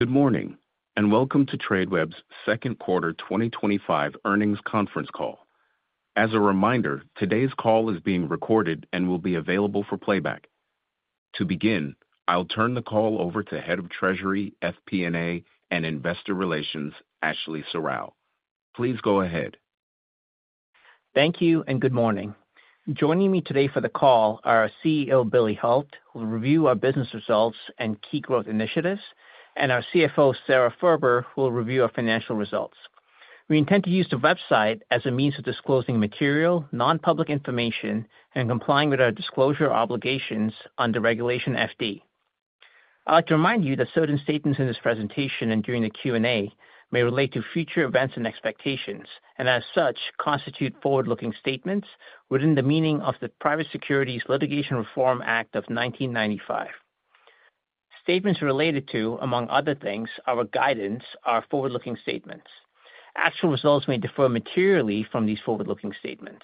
Good morning and welcome to Tradeweb's Second Quarter 2025 Earnings Conference Call. As a reminder, today's call is being recorded and will be available for playback. To begin, I'll turn the call over to Head of Treasury FP&A and Investor Relations Ashley Sorrell. Please go ahead. Thank you and good morning. Joining me today for the call are CEO Billy Hult. We review our business results and key growth initiatives and our CFO Sara Furber will review our financial results. We intend to use the website as a means of disclosing material non public information and complying with our disclosure obligations under Regulation FD. I'd like to remind you that certain statements in this presentation and during the Q and A may relate to future events and expectations and as such constitute forward-looking statements within the meaning of the Private Securities Litigation Reform Act of 1995. Statements related to, among other things, our guidance are forward-looking statements. Actual results may differ materially from these forward-looking statements.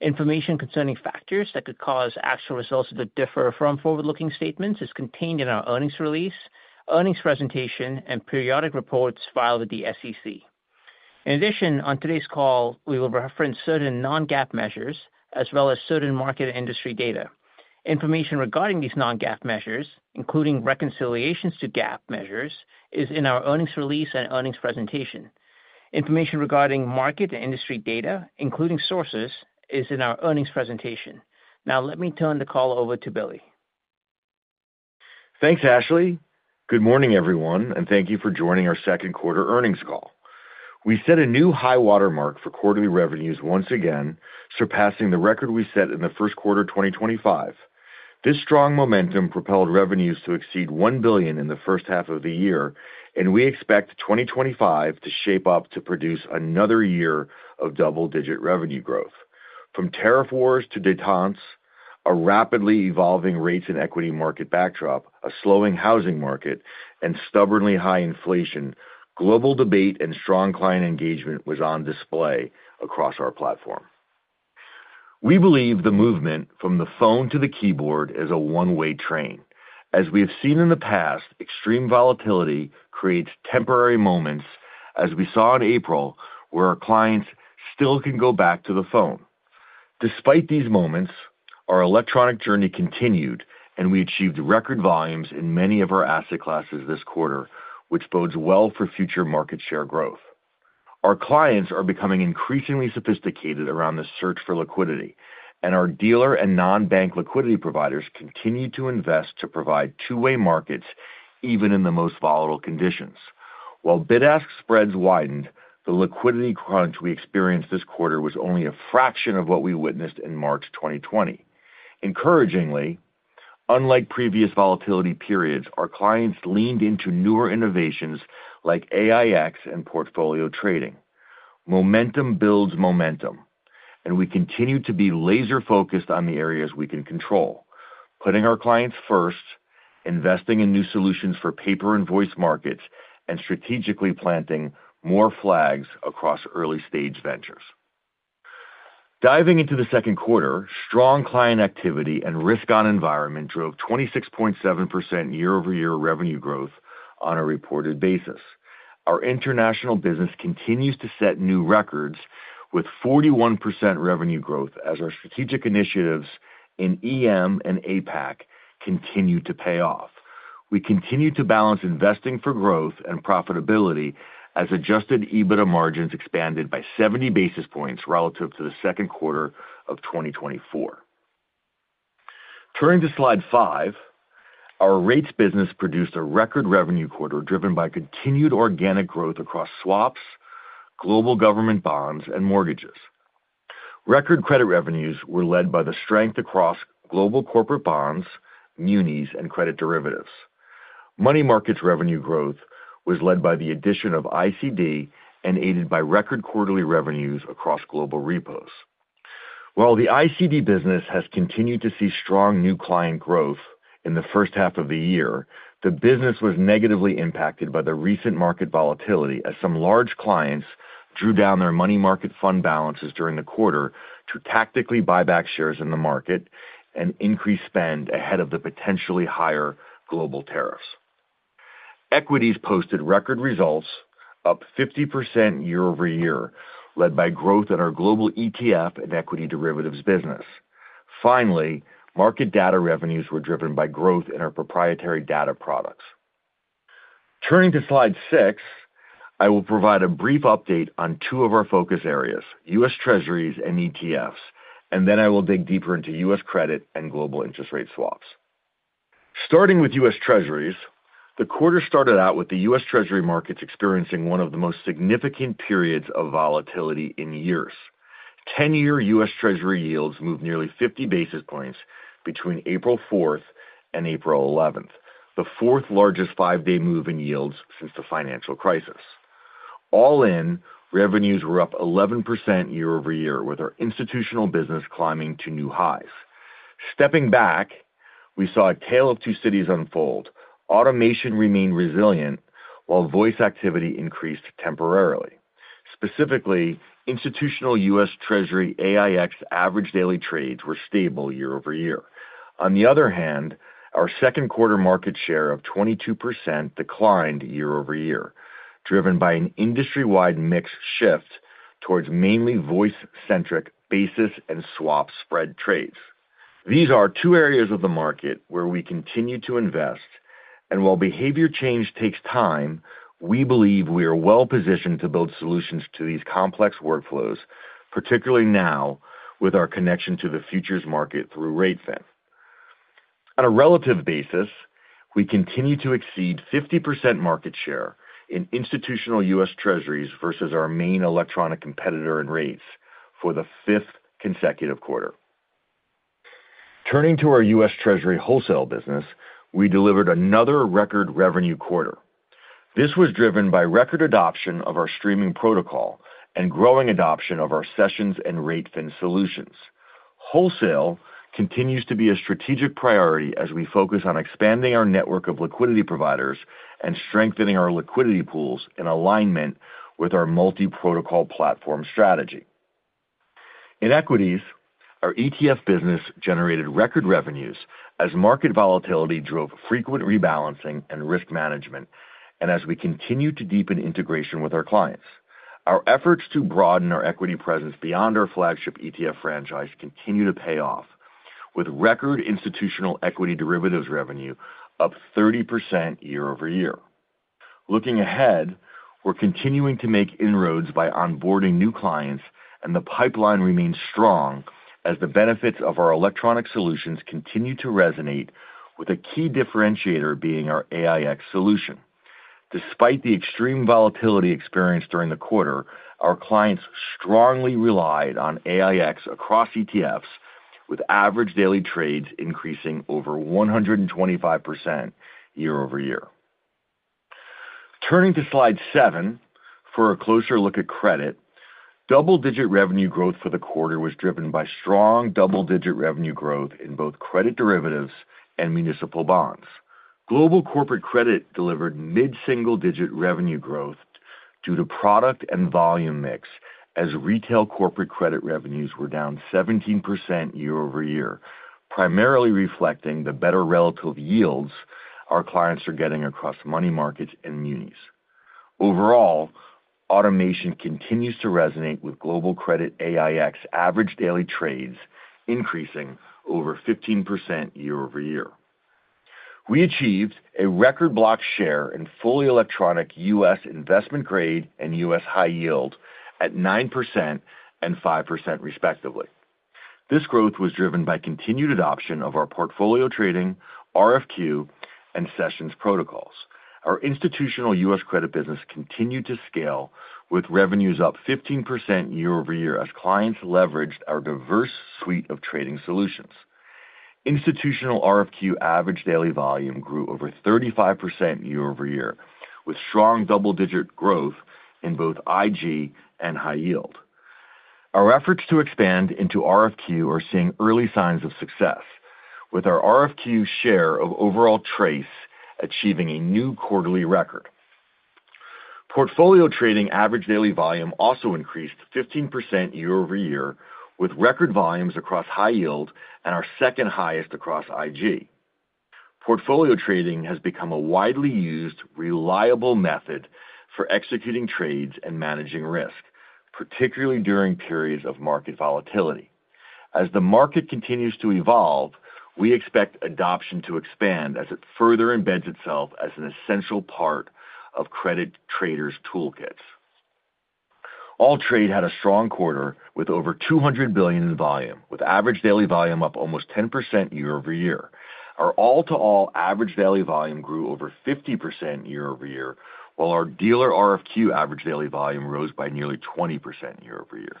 Information concerning factors that could cause actual results to differ from forward-looking statements is contained in our earnings release, earnings presentation and periodic reports filed with the SEC. In addition, on today's call we will reference certain non-GAAP measures as well as certain market and industry data. Information regarding these non-GAAP measures, including reconciliations to GAAP measures is in our earnings release and earnings presentation. Information regarding market and industry data, including sources is in our earnings presentation. Now let me turn the call over to Billy. Thanks Ashley. Good morning everyone and thank you for joining our Second Quarter Earnings Call. We set a new high water mark for quarterly revenues, once again surpassing the record we set in the first quarter 2025. This strong momentum propelled revenues to exceed $1 billion in the first half of the year and we expect 2025 to shape up to produce another year of double-digit revenue growth. From tariff wars to detentes, a rapidly evolving rates and equity market backdrop, a slowing housing market and stubbornly high inflation, global debate and strong client engagement was on display across our platform. We believe the movement from the phone to the keyboard is a one-way train. As we have seen in the past, extreme volatility creates temporary moments, as we saw in April, where our clients still can go back to the phone. Despite these moments, our electronic journey continued and we achieved record volumes in many of our asset classes this quarter, which bodes well for future market share growth. Our clients are becoming increasingly sophisticated around the search for liquidity and our dealer and non-bank liquidity providers continue to invest to provide two-way markets even in the most volatile conditions. While bid-ask spreads widened, the liquidity crunch we experienced this quarter was only a fraction of what we witnessed in March 2020. Encouragingly, unlike previous volatility periods, our clients leaned into newer innovations like AIX and Portfolio Trading. Momentum builds momentum and we continue to be laser focused on the areas we can control, putting our clients first, investing in new solutions for paper and voice markets and strategically planting more flags across early stage ventures. Diving into the second quarter, strong client activity and risk-on environment drove 26.7% year-over-year revenue growth on a reported basis. Our international business continues to set new records with 41% revenue growth as our strategic initiatives in EM and APAC continue to pay off. We continue to balance investing for growth and profitability as adjusted EBITDA margins expanded by 70 basis points relative to the second quarter of 2024. Turning to Slide 5, our rates business produced a record revenue quarter driven by continued organic growth across swaps, global government bonds and mortgages. Record credit revenues were led by the strength across global corporate bonds, munis and credit derivatives. Money markets revenue growth was led by the addition of ICD and aided by record quarterly revenues across global reposition. While the ICD business has continued to see strong new client growth in the first half of the year, the business was negatively impacted by the recent market volatility as some large clients drew down their money market fund balances during the quarter to tactically buy back shares in the market and increase spend ahead of the potentially higher global tariffs. Equities posted record results up 50% year over year led by growth in our global ETF and equity derivatives business. Finally, market data revenues were driven by growth in our proprietary data products. Turning to Slide 6, I will provide a brief update on two of our focus areas, U.S. Treasuries and ETFs and then I will dig deeper into U.S. Credit and Global Interest Rate Swaps. Starting with U.S. Treasuries, the quarter started out with the U.S. Treasury markets experiencing one of the most significant periods of volatility in years. Ten year U.S. Treasury yields moved nearly 50 basis points between April 4 and April 11, the fourth largest five day move in yields since the financial crisis. All in, revenues were up 11% year over year with our institutional business climbing to new highs. Stepping back, we saw a tale of two cities unfold. Automation remained resilient while voice activity increased temporarily. Specifically, institutional U.S. Treasury AIX average daily trades were stable year over year. On the other hand, our second quarter market share of 22% declined year over year driven by an industry wide mix shift towards mainly voice centric basis and swap spread trades. These are two areas of the market where we continue to invest, and while behavior change takes time, we believe we are well positioned to build solutions to these complex workflows, particularly now with our connection to the futures market through Ratefin. On a relative basis, we continue to exceed 50% market share in institutional U.S. Treasuries versus our main electronic competitor in rates for the fifth consecutive quarter. Turning to our U.S. Treasury wholesale business, we delivered another record revenue quarter. This was driven by record adoption of our streaming protocol and growing adoption of our Sessions and Ratefin solutions. Wholesale continues to be a strategic priority as we focus on expanding our network of liquidity providers and strengthening our liquidity pools in alignment with our multi protocol platform strategy. In equities, our ETF business generated record revenues as market volatility drove frequent rebalancing and risk management. As we continue to deepen integration with our clients, our efforts to broaden our equity presence beyond our flagship ETF franchise continue to pay off with record institutional equity derivatives revenue up 30% year over year. Looking ahead, we're continuing to make inroads by onboarding new clients and the pipeline remains strong as the benefits of our electronic solutions continue to resonate with a key differentiator being our AIX solution. Despite the extreme volatility experienced during the quarter, our clients strongly relied on AIX across ETFs with average daily trades increasing over 125% year over year. Turning to Slide 7, for a closer look at credit, double digit revenue growth for the quarter was driven by strong double digit revenue growth in both credit derivatives and municipal bonds. Global corporate credit delivered mid single digit revenue growth due to product and volume mix as retail corporate credit revenues were down 17% year over year, primarily reflecting the better relative yields our clients are getting across money markets and munis. Overall, automation continues to resonate with global credit, AIX average daily trades increasing over 15% year over year. We achieved a record block share in fully electronic U.S. investment grade and U.S. high yield at 9% and 5% respectively. This growth was driven by continued adoption of our portfolio trading, RFQ, and Sessions protocols. Our institutional U.S. credit business continued to scale with revenues up 15% year over year as clients leveraged our diverse suite of trading solutions. Institutional RFQ average daily volume grew over 35% year over year with strong double digit growth in both IG and high yield. Our efforts to expand into RFQ are seeing early signs of success with our RFQ share of overall TRACE achieving a new quarterly record. Portfolio trading average daily volume also increased 15% year over year with record volumes across high yield and our second highest across IG. Portfolio trading has become a widely used, reliable method for executing trades and managing risk, particularly during periods of market volatility. As the market continues to evolve, we expect adoption to expand as it further embeds itself as an essential part of credit traders' toolkits. All Trade had a strong quarter with over $200 billion in volume with average daily volume up almost 10% year over year. Our all to all average daily volume grew over 50% year over year while our dealer RFQ average daily volume rose by nearly 20% year over year.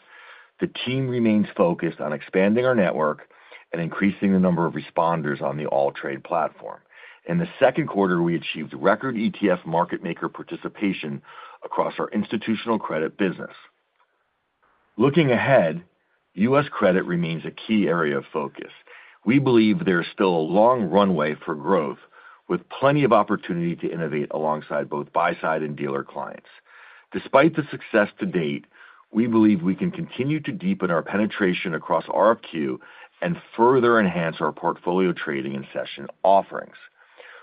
The team remains focused on expanding our network and increasing the number of responders on the All Trade platform. In the second quarter, we achieved record ETF market maker participation across our institutional credit business. Looking ahead, U.S. credit remains a key area of focus. We believe there is still a long runway for growth with plenty of opportunity to innovate alongside both buy-side and dealer clients. Despite the success to date, we believe we can continue to deepen our penetration across RFQ and further enhance our portfolio trading and session offerings.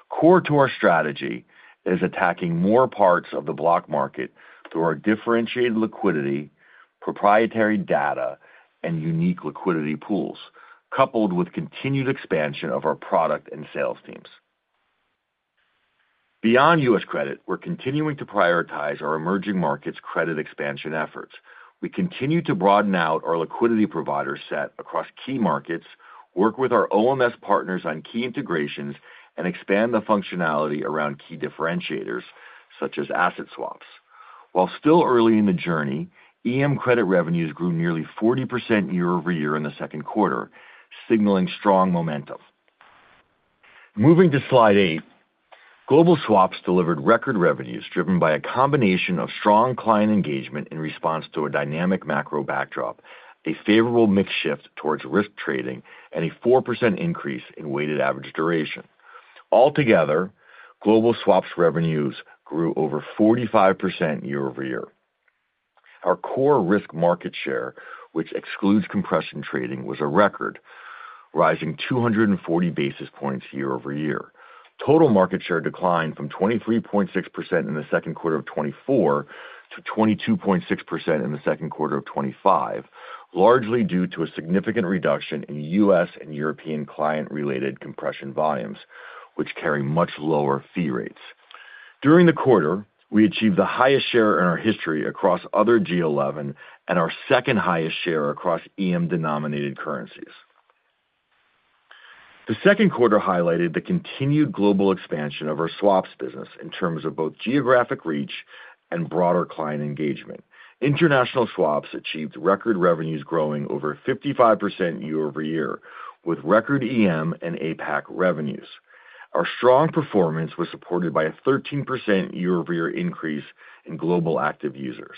Core to our strategy is attacking more parts of the block market through our differentiated liquidity, proprietary data, and unique liquidity pools coupled with continued expansion of our product and sales teams. Beyond U.S. Credit, we're continuing to prioritize our emerging markets credit expansion efforts. We continue to broaden out our liquidity provider set across key markets, work with our OMS partners on key integrations, and expand the functionality around key differentiators such as asset swaps. While still early in the journey, EM Credit revenues grew nearly 40% year over year in the second quarter, signaling strong momentum. Moving to slide 8, global swaps delivered record revenues driven by a combination of strong client engagement in response to a dynamic macro backdrop, a favorable mix shift towards risk trading, and a 4% increase in weighted average duration. Altogether, global swaps revenues grew over 45% year over year. Our core risk market share, which excludes compression trading, was a record, rising 240 basis points year over year. Total market share declined from 23.6% in second quarter 2024 to 22.6% in second quarter 2025, largely due to a significant reduction in U.S. and European client-related compression volumes, which carry much lower fee rates. During the quarter, we achieved the highest share in our history across other G11 and our second highest share across EM denominated currencies. The second quarter highlighted the continued global expansion of our swaps business in terms of both geographic reach and broader client engagement. International swaps achieved record revenues, growing over 55% year over year with record EM and APAC revenues. Our strong performance was supported by a 13% year over year increase in global active users.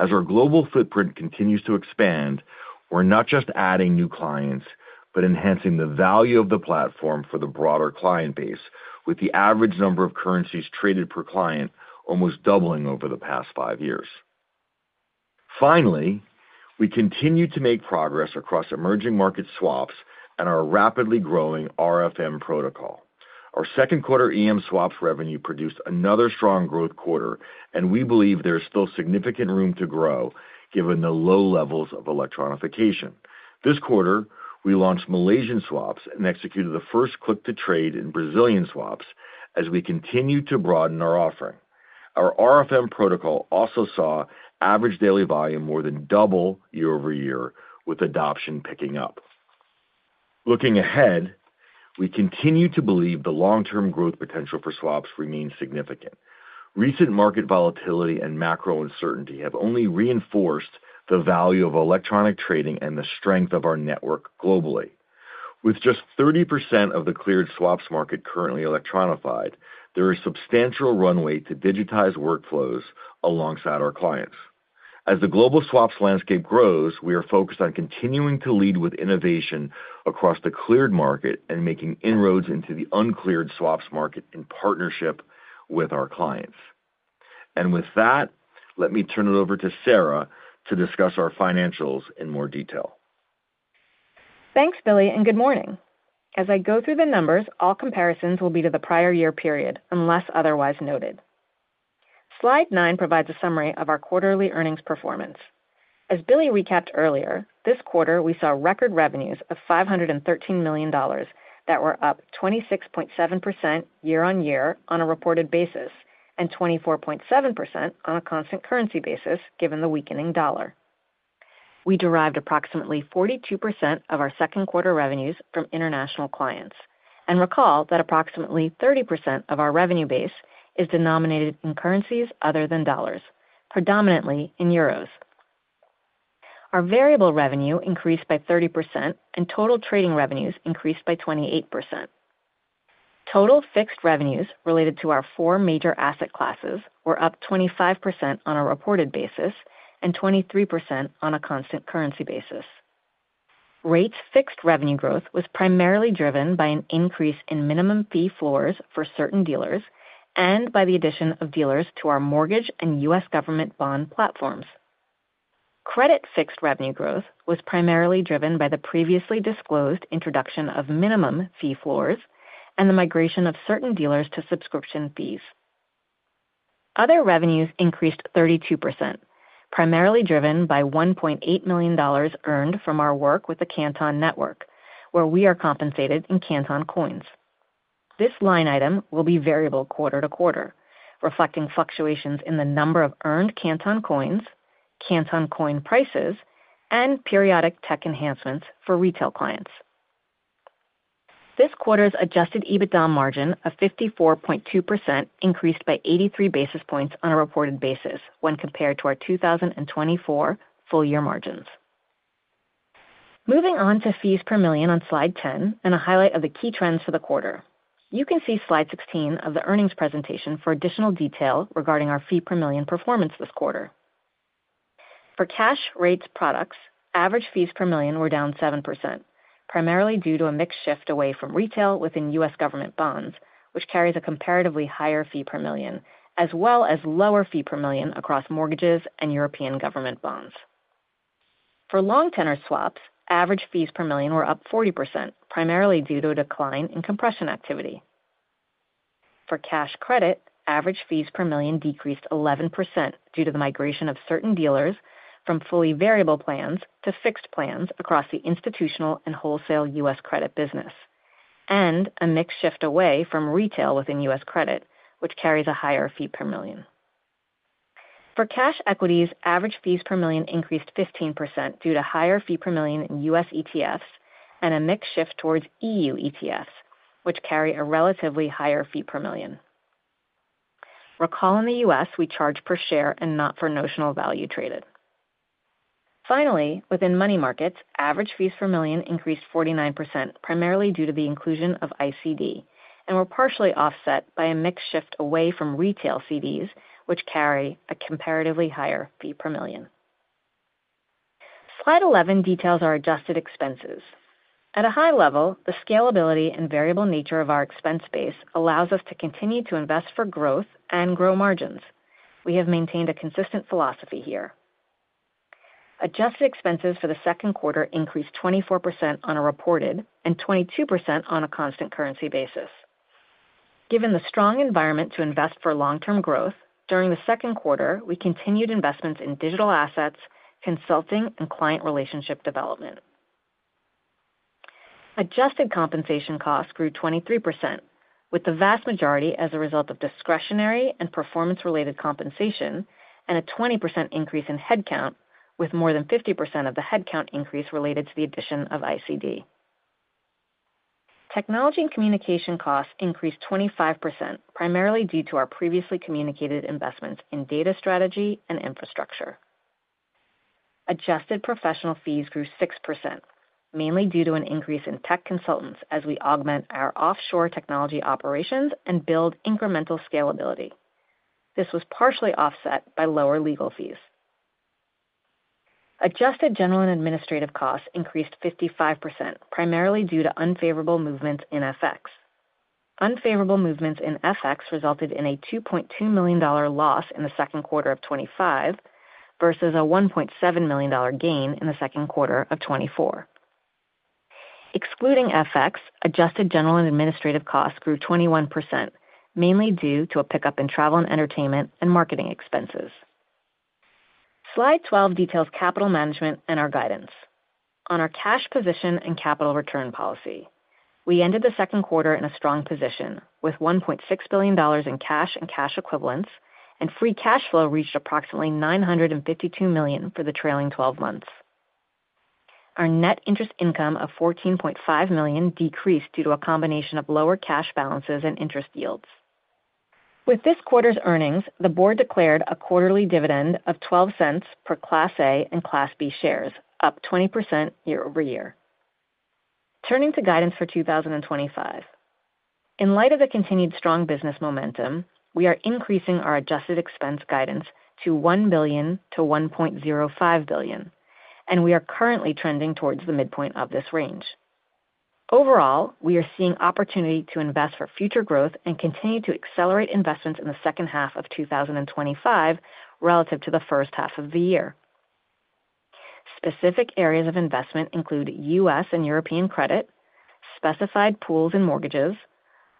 As our global footprint continues to expand, we're not just adding new clients, but enhancing the value of the platform for the broader client base, with the average number of currencies traded per client almost doubling over the past five years. Finally, we continue to make progress across emerging market swaps and our rapidly growing RFM protocol. Our second quarter EM swaps revenue produced another strong growth quarter, and we believe there is still significant room to grow given the low levels of electronification. This quarter we launched Malaysian swaps and executed the first click to trade in Brazilian swaps. As we continue to broaden our offering, our RFM protocol also saw average daily volume more than double year over year with adoption picking up. Looking ahead, we continue to believe the long-term growth potential for swaps remains significant. Recent market volatility and macro uncertainty have only reinforced the value of electronic trading and the strength of our network globally. With just 30% of the cleared swaps market currently electronified, there is substantial runway to digitize workflows alongside our clients. As the global swaps landscape grows, we are focused on continuing to lead with innovation across the cleared market and making inroads into the uncleared swaps market in partnership with our clients. Let me turn it over to Sara to discuss our financials in more detail. Thanks Billy, and good morning. As I go through the numbers, all comparisons will be to the prior year period unless otherwise noted. Slide 9, provides a summary of our quarterly earnings performance. As Billy recapped earlier this quarter, we saw record revenues of $513 million that were up 26.7% year on year on a reported basis and 24.7% on a constant currency basis. Given the weakening dollar, we derived approximately 42% of our second quarter revenues from international clients. Recall that approximately 30% of our revenue base is denominated in currencies other than dollars, predominantly in euros. Our variable revenue increased by 30% and total trading revenues increased by 28%. Total fixed revenues related to our four major asset classes were up 25% on a reported basis and 23% on a constant currency basis. Rates fixed revenue growth was primarily driven by an increase in minimum fee floors for certain dealers and by the addition of dealers to our mortgage and U.S. Government bond platforms. Credit fixed revenue growth was primarily driven by the previously disclosed introduction of minimum fee floors and the migration of certain dealers to subscription fees. Other revenues increased 32%, primarily driven by $1.8 million earned from our work with the Canton Network where we are compensated in Canton coins. This line item will be variable quarter to quarter, reflecting fluctuations in the number of earned Canton coins, Canton coin prices and periodic tech enhancements for retail clients. This quarter's adjusted EBITDA margin of 54.2% increased by 83 basis points on a reported basis when compared to our 2024 full year margins. Moving on to fees per million on slide 10 and a highlight of the key trends for the quarter. You can see slide 16 of the earnings presentation for additional detail regarding our fee per million performance this quarter. For cash rates products, average fees per million were down 7% primarily due to a mix shift away from retail within U.S. Government bonds, which carries a comparatively higher fee per million as well as lower fee per million across mortgages and European government bonds. For long tenor swaps, average fees per million were up 40% primarily due to a decline in compression activity. For cash credit, average fees per million decreased 11% due to the migration of certain dealers from fully variable plans to fixed plans across the institutional and wholesale U.S. Credit business, and a mix shift away from retail within U.S. Credit, which carries a higher fee per millio. For cash equities, average fees per million increased 15% due to higher fee per million in U.S. ETFs and a mix shift towards EU ETFs which carry a relatively higher fee per million. Recall, in the U.S. we charge per share and not for notional value traded. Finally, within money markets, average fees per million increased 49% primarily due to the inclusion of ICD and were partially offset by a mix shift away from retail CDs, which carry a comparatively higher fee per million. Slide 11 details our adjusted expenses. At a high level the scalability and variable nature of our expense base allows us to continue to invest for growth and grow margins. We have maintained a consistent philosophy here. Adjusted expenses for the second quarter increased 24% on a reported and 22% on a constant currency basis. Given the strong environment to invest for long term growth during the second quarter we continued investments in digital assets, consulting and client relationship development. Adjusted compensation costs grew 23% with the vast majority as a result of discretionary and performance related compensation, and a 20% increase in headcount with more than 50% of the headcount increase related to the addition of ICD. Technology and communication costs increased 25% primarily due to our previously communicated investments in data, strategy and infrastructure. Adjusted professional fees grew 6% mainly due to an increase in tech consultants as we augment our offshore technology operations and build incremental scalability. This was partially offset by lower legal fees. Adjusted general and administrative costs increased 55%, primarily due to unfavorable movements in FX. Unfavorable movements in FX resulted in a $2.2 million loss in second quarter 2025, versus a $1.7 million gain in second quarter 2024. Excluding FX, adjusted general and administrative costs grew 21%, mainly due to a pickup in travel and entertainment and marketing expenses. Slide 12 details capital management and our guidance on our cash position and capital return policy. We ended the second quarter in a strong position with $1.6 billion in cash and cash equivalents and free cash flow reached approximately $952 million for the trailing twelve months. Our net interest income of $14.5 million decreased due to a combination of lower cash balances and interest yields. With this quarter's earnings, the Board declared a quarterly dividend of $0.12 per Class A and Class B shares, up 20% year over year. Turning to guidance for 2025, in light of the continued strong business momentum, we are increasing our adjusted expense guidance to $1 billion to $1.05 billion and we are currently trending towards the midpoint of this range. Overall, we are seeing opportunity to invest for future growth and continue to accelerate investments in the second half of 2025 relative to the first half of the year. Specific areas of investment include U.S. and European credit, specified pools and mortgages,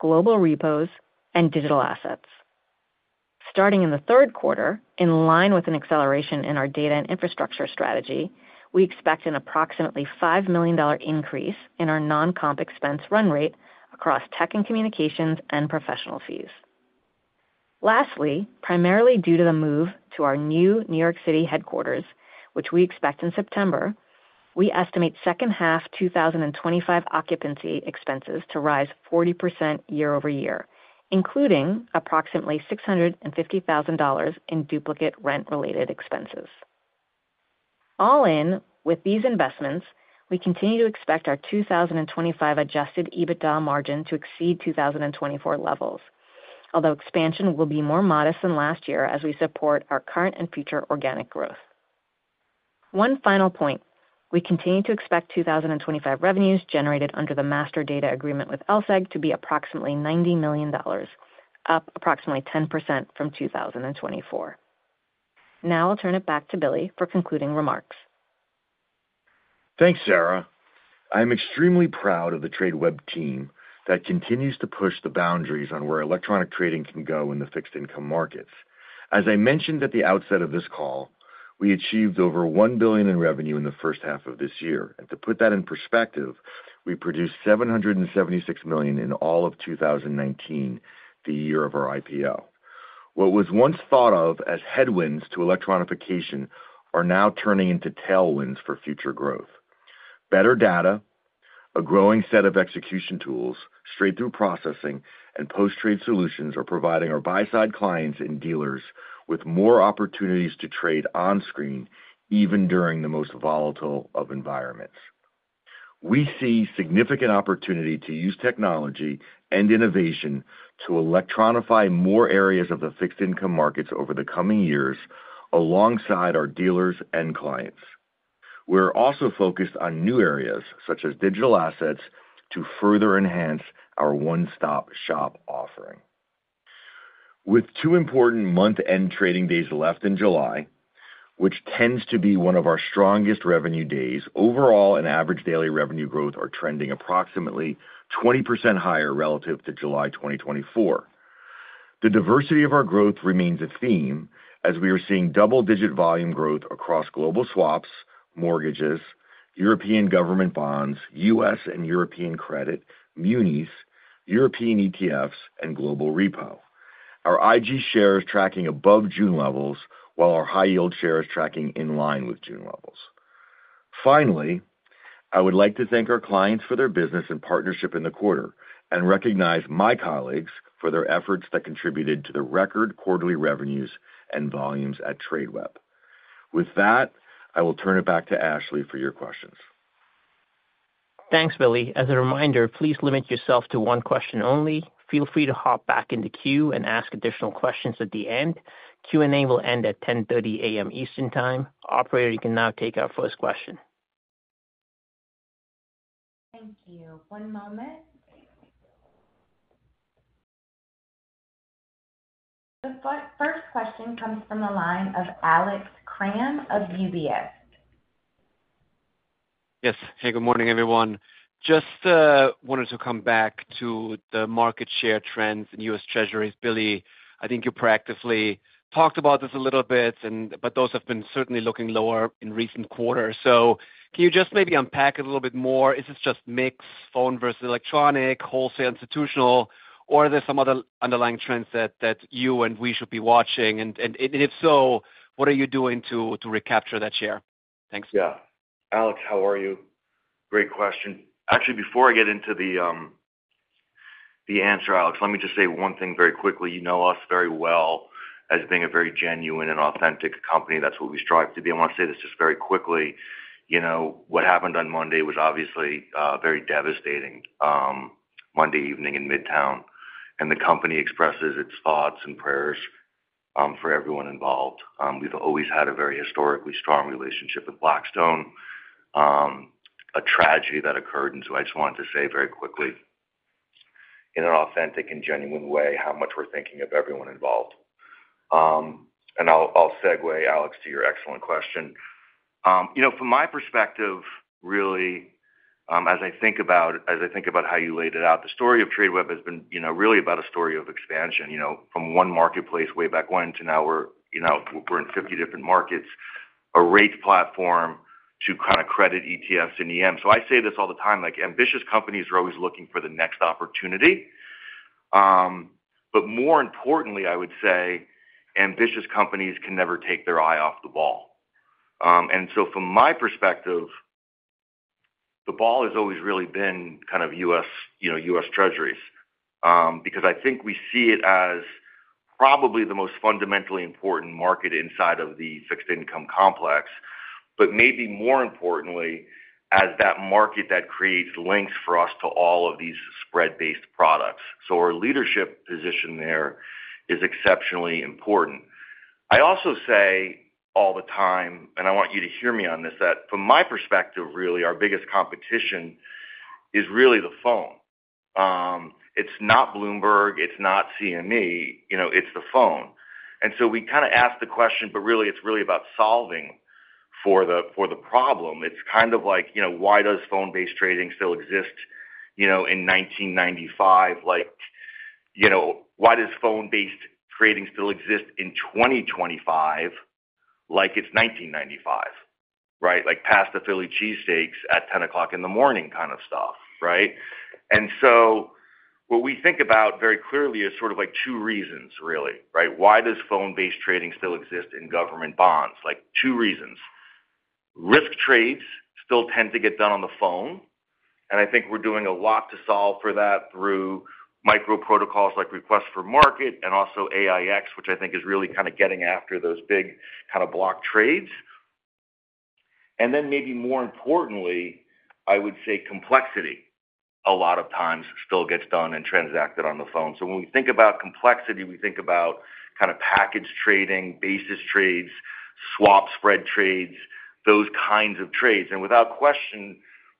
global repos, and digital assets. Starting in the third quarter, in line with an acceleration in our data and infrastructure strategy, we expect an approximately $5 million increase in our non-comp expense run rate across tech and communications and professional fees. Lastly, primarily due to the move to our new New York City headquarters, which we expect in September, we estimate second half 2025 occupancy expenses to rise 40% year over year, including approximately $650,000 in duplicate rent related expenses. All in, with these investments, we continue to expect our 2025 adjusted EBITDA margin to exceed 2024 levels, although expansion will be more modest than last year as we support our current and future organic growth. One final point, we continue to expect 2025 revenues generated under the Master Data Agreement with LSEG to be approximately $90 million, up approximately 10% from 2024. Now I'll turn it back to Billy for concluding remarks. Thanks, Sara. I'm extremely proud of the Tradeweb team that continues to push the boundaries on where electronic trading can go in the fixed income markets. As I mentioned at the outset of this call, we achieved over $1 billion in revenue in the first half of this year and to put that in perspective, we produced $776 million in all of 2019, the year of our IPO. What was once thought of as headwinds to electronification are now turning into tailwinds for future growth. Better data, a growing set of execution tools, straight through processing, and post trade solutions are providing our buy side clients and dealers with more opportunities to trade on screen even during the most volatile of environments. We see significant opportunity to use technology and innovation to electronify more areas of the fixed income markets over the coming years. Alongside our dealers and clients, we're also focused on new areas such as digital assets to further enhance our one stop shop offering. With two important month end trading days left in July, which tends to be one of our strongest revenue days overall, and average daily revenue growth are trending approximately 20% higher relative to July 2024. The diversity of our growth remains a theme as we are seeing double digit volume growth across global swaps, mortgages, European government bonds, U.S. and European credit, munis, European ETFs, and global repo. Our IG share is tracking above June levels while our high yield share is tracking in line with June levels. Finally, I would like to thank our clients for their business and partnership in the quarter and recognize my colleagues for their efforts that contributed to the record quarterly revenues and volumes at Tradeweb. With that, I will turn it back to Ashley for your questions. Thanks Billy. As a reminder, please limit yourself to one question only. Feel free to hop back in the queue and ask additional questions at the end. Q and A will end at 10:30 A.M. Eastern Time. Operator, you can now take our first question. Thank you. One moment. The first question comes from the line of Alex Kramm of UBS. Yes. Hey, good morning everyone. Just wanted to come back to the market share trends in U.S. Treasuries. Billy, I think you proactively talked about this a little bit, but those have been certainly looking lower in recent quarters. Can you just maybe unpack a little bit more? Is this just mix phone versus electronic, wholesale, institutional? Or are there some other underlying trends that you and we should be watching, and if so, what are you doing to recapture that share? Thanks. Yeah. Alex, how are you? Great question. Actually, before I get into the answer, Alex, let me just say one thing very quickly. You know us very well as being a very genuine and authentic company, that's what we strive to be. I want to say this just very quickly. You know, what happened on Monday was obviously very devastating. Monday evening in Midtown. And the company expresses its thoughts and prayers for everyone involved. We've always had a very historically strong relationship with Blackstone, a tragedy that occurred. I just wanted to say very quickly in an authentic and genuine way how much we're thinking of everyone involved. I'll segue, Alex, to your excellent question. You know, from my perspective, really as I think about how you laid it out, the story of Tradeweb has been really about a story of expansion from one marketplace way back when to now. We're in 50 different markets, a rate platform to kind of credit ETFs and EM. I say this all the time, like ambitious companies are always looking for the next opportunity. More importantly, I would say ambitious companies can never take their eye off the ball. From my perspective, the ball has always really been kind of U.S. Treasuries because I think we see it as probably the most fundamentally important market inside of the fixed income complex, but maybe more importantly as that market that creates links for us to all of these spread-based products. Our leadership position there is exceptionally important. I also say all the time, and I want you to hear me on this, that from my perspective, really our biggest competition is really the phone. It's not Bloomberg, it's not CME Group, you know, it's the phone. We kind of ask the question, but really it's really about solving for the problem. It's kind of like, you know, why does phone based trading still exist in 1995? Why does phone based trading still exist in 2025? Like it's 1995 past the Philly cheesesteak at 10:00 A.M. kind of stuff. What we think about very clearly is sort of like two reasons really why does phone based trading still exist in government bonds. Two reasons. Risk trades still tend to get done on the phone. I think we're doing a lot to solve for that through micro protocols like request for market and also AIX, which I think is really kind of getting after those big kind of block trades. Maybe more importantly, I would say complexity a lot of times still gets done and transacted on the phone. When we think about complexity, we think about kind of package trading, basis trades, swap spread trades, those kinds of trades. Without question,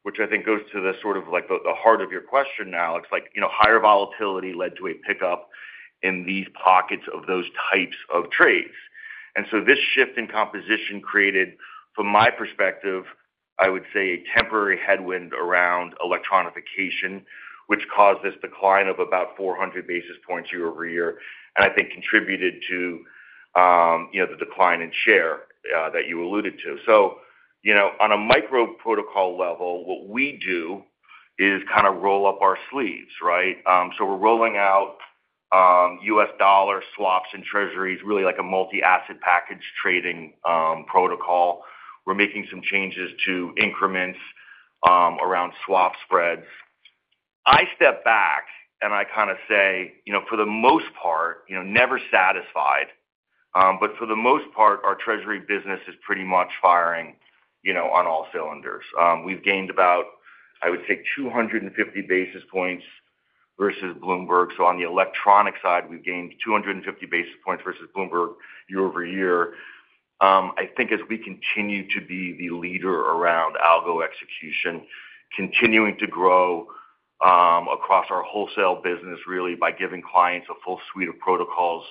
which I think goes to the sort of like the heart of your question, Alex, like, you know, higher volatility led to a pickup in these pockets of those types of trades. This shift in composition created, from my perspective, I would say a temporary headwind around electronification, which caused this decline of about 400 basis points year over year and I think contributed to the decline in share that you alluded to. On a micro protocol level, what we do is kind of roll up our sleeves. We're rolling out US dollar swaps and Treasuries really like a multi-asset package trading protocol. We're making some changes to increments around swap spreads. I step back and I kind of say for the most part, never satisfied. For the most part, our Treasury business is pretty much firing on all cylinders. We've gained about, I would say, 250 basis points versus Bloomberg. On the electronic side, we've gained 250 basis points versus Bloomberg year over year. I think as we continue to be the leader around algo execution, continuing to grow across our wholesale business really by giving clients a full suite of protocols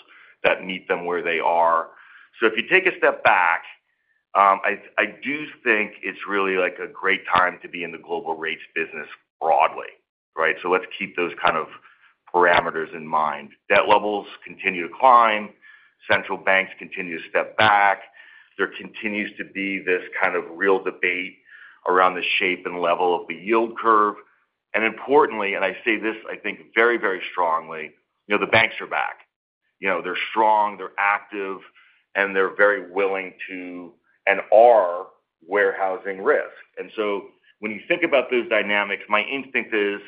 that meet them where they are. If you take a step back, I do think it's really like a great time to be in the global rates business broadly. Right? Let's keep those kind of parameters in mind. Debt levels continue to climb. Central banks continue to step back. There continues to be this kind of real debate around the shape and level of the yield curve. Importantly, and I say this, I think very, very strongly, the banks are back, they're strong, they're active, and they're very willing to and are warehousing risk. When you think about those dynamics, my instinct is,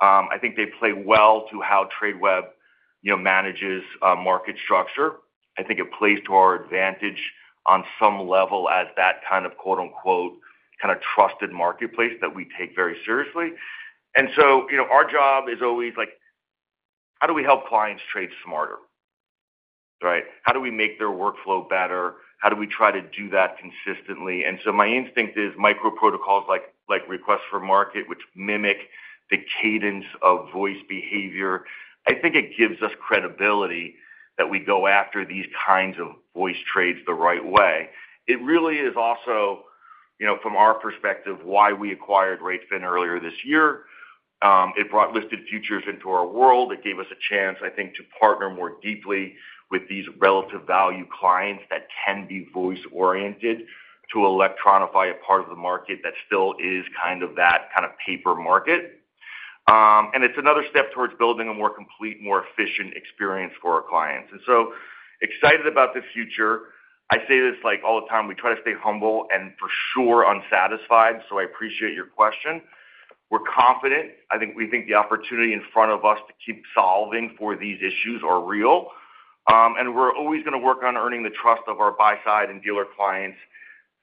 I think they play well to how Tradeweb manages market structure. I think it plays to our advantage on some level as that kind of trusted marketplace that we take very seriously. Our job is always like, how do we help clients trade smarter? Right? How do we make their workflow better? How do we try to do that consistently? My instinct is micro protocols like, like Request-for-Market, which mimic the cadence of voice behavior. I think it gives us credibility that we go after these kinds of voice trades the right way. It really is also from our perspective, why we acquired Ratefin earlier this year. It brought listed futures into our world. It gave us a chance, I think, to partner more deeply with these relative value clients that can be voice oriented, to electronify a part of the market that still is kind of that kind of paper market. It's another step towards building a more complete, more efficient experience for our clients. Excited about the future. I say this like all the time. We try to stay humble and for sure unsatisfied. I appreciate your question. We're confident, I think we think the opportunity in front of us to keep solving for these issues are real. We're always going to work on earning the trust of our buy side and dealer clients.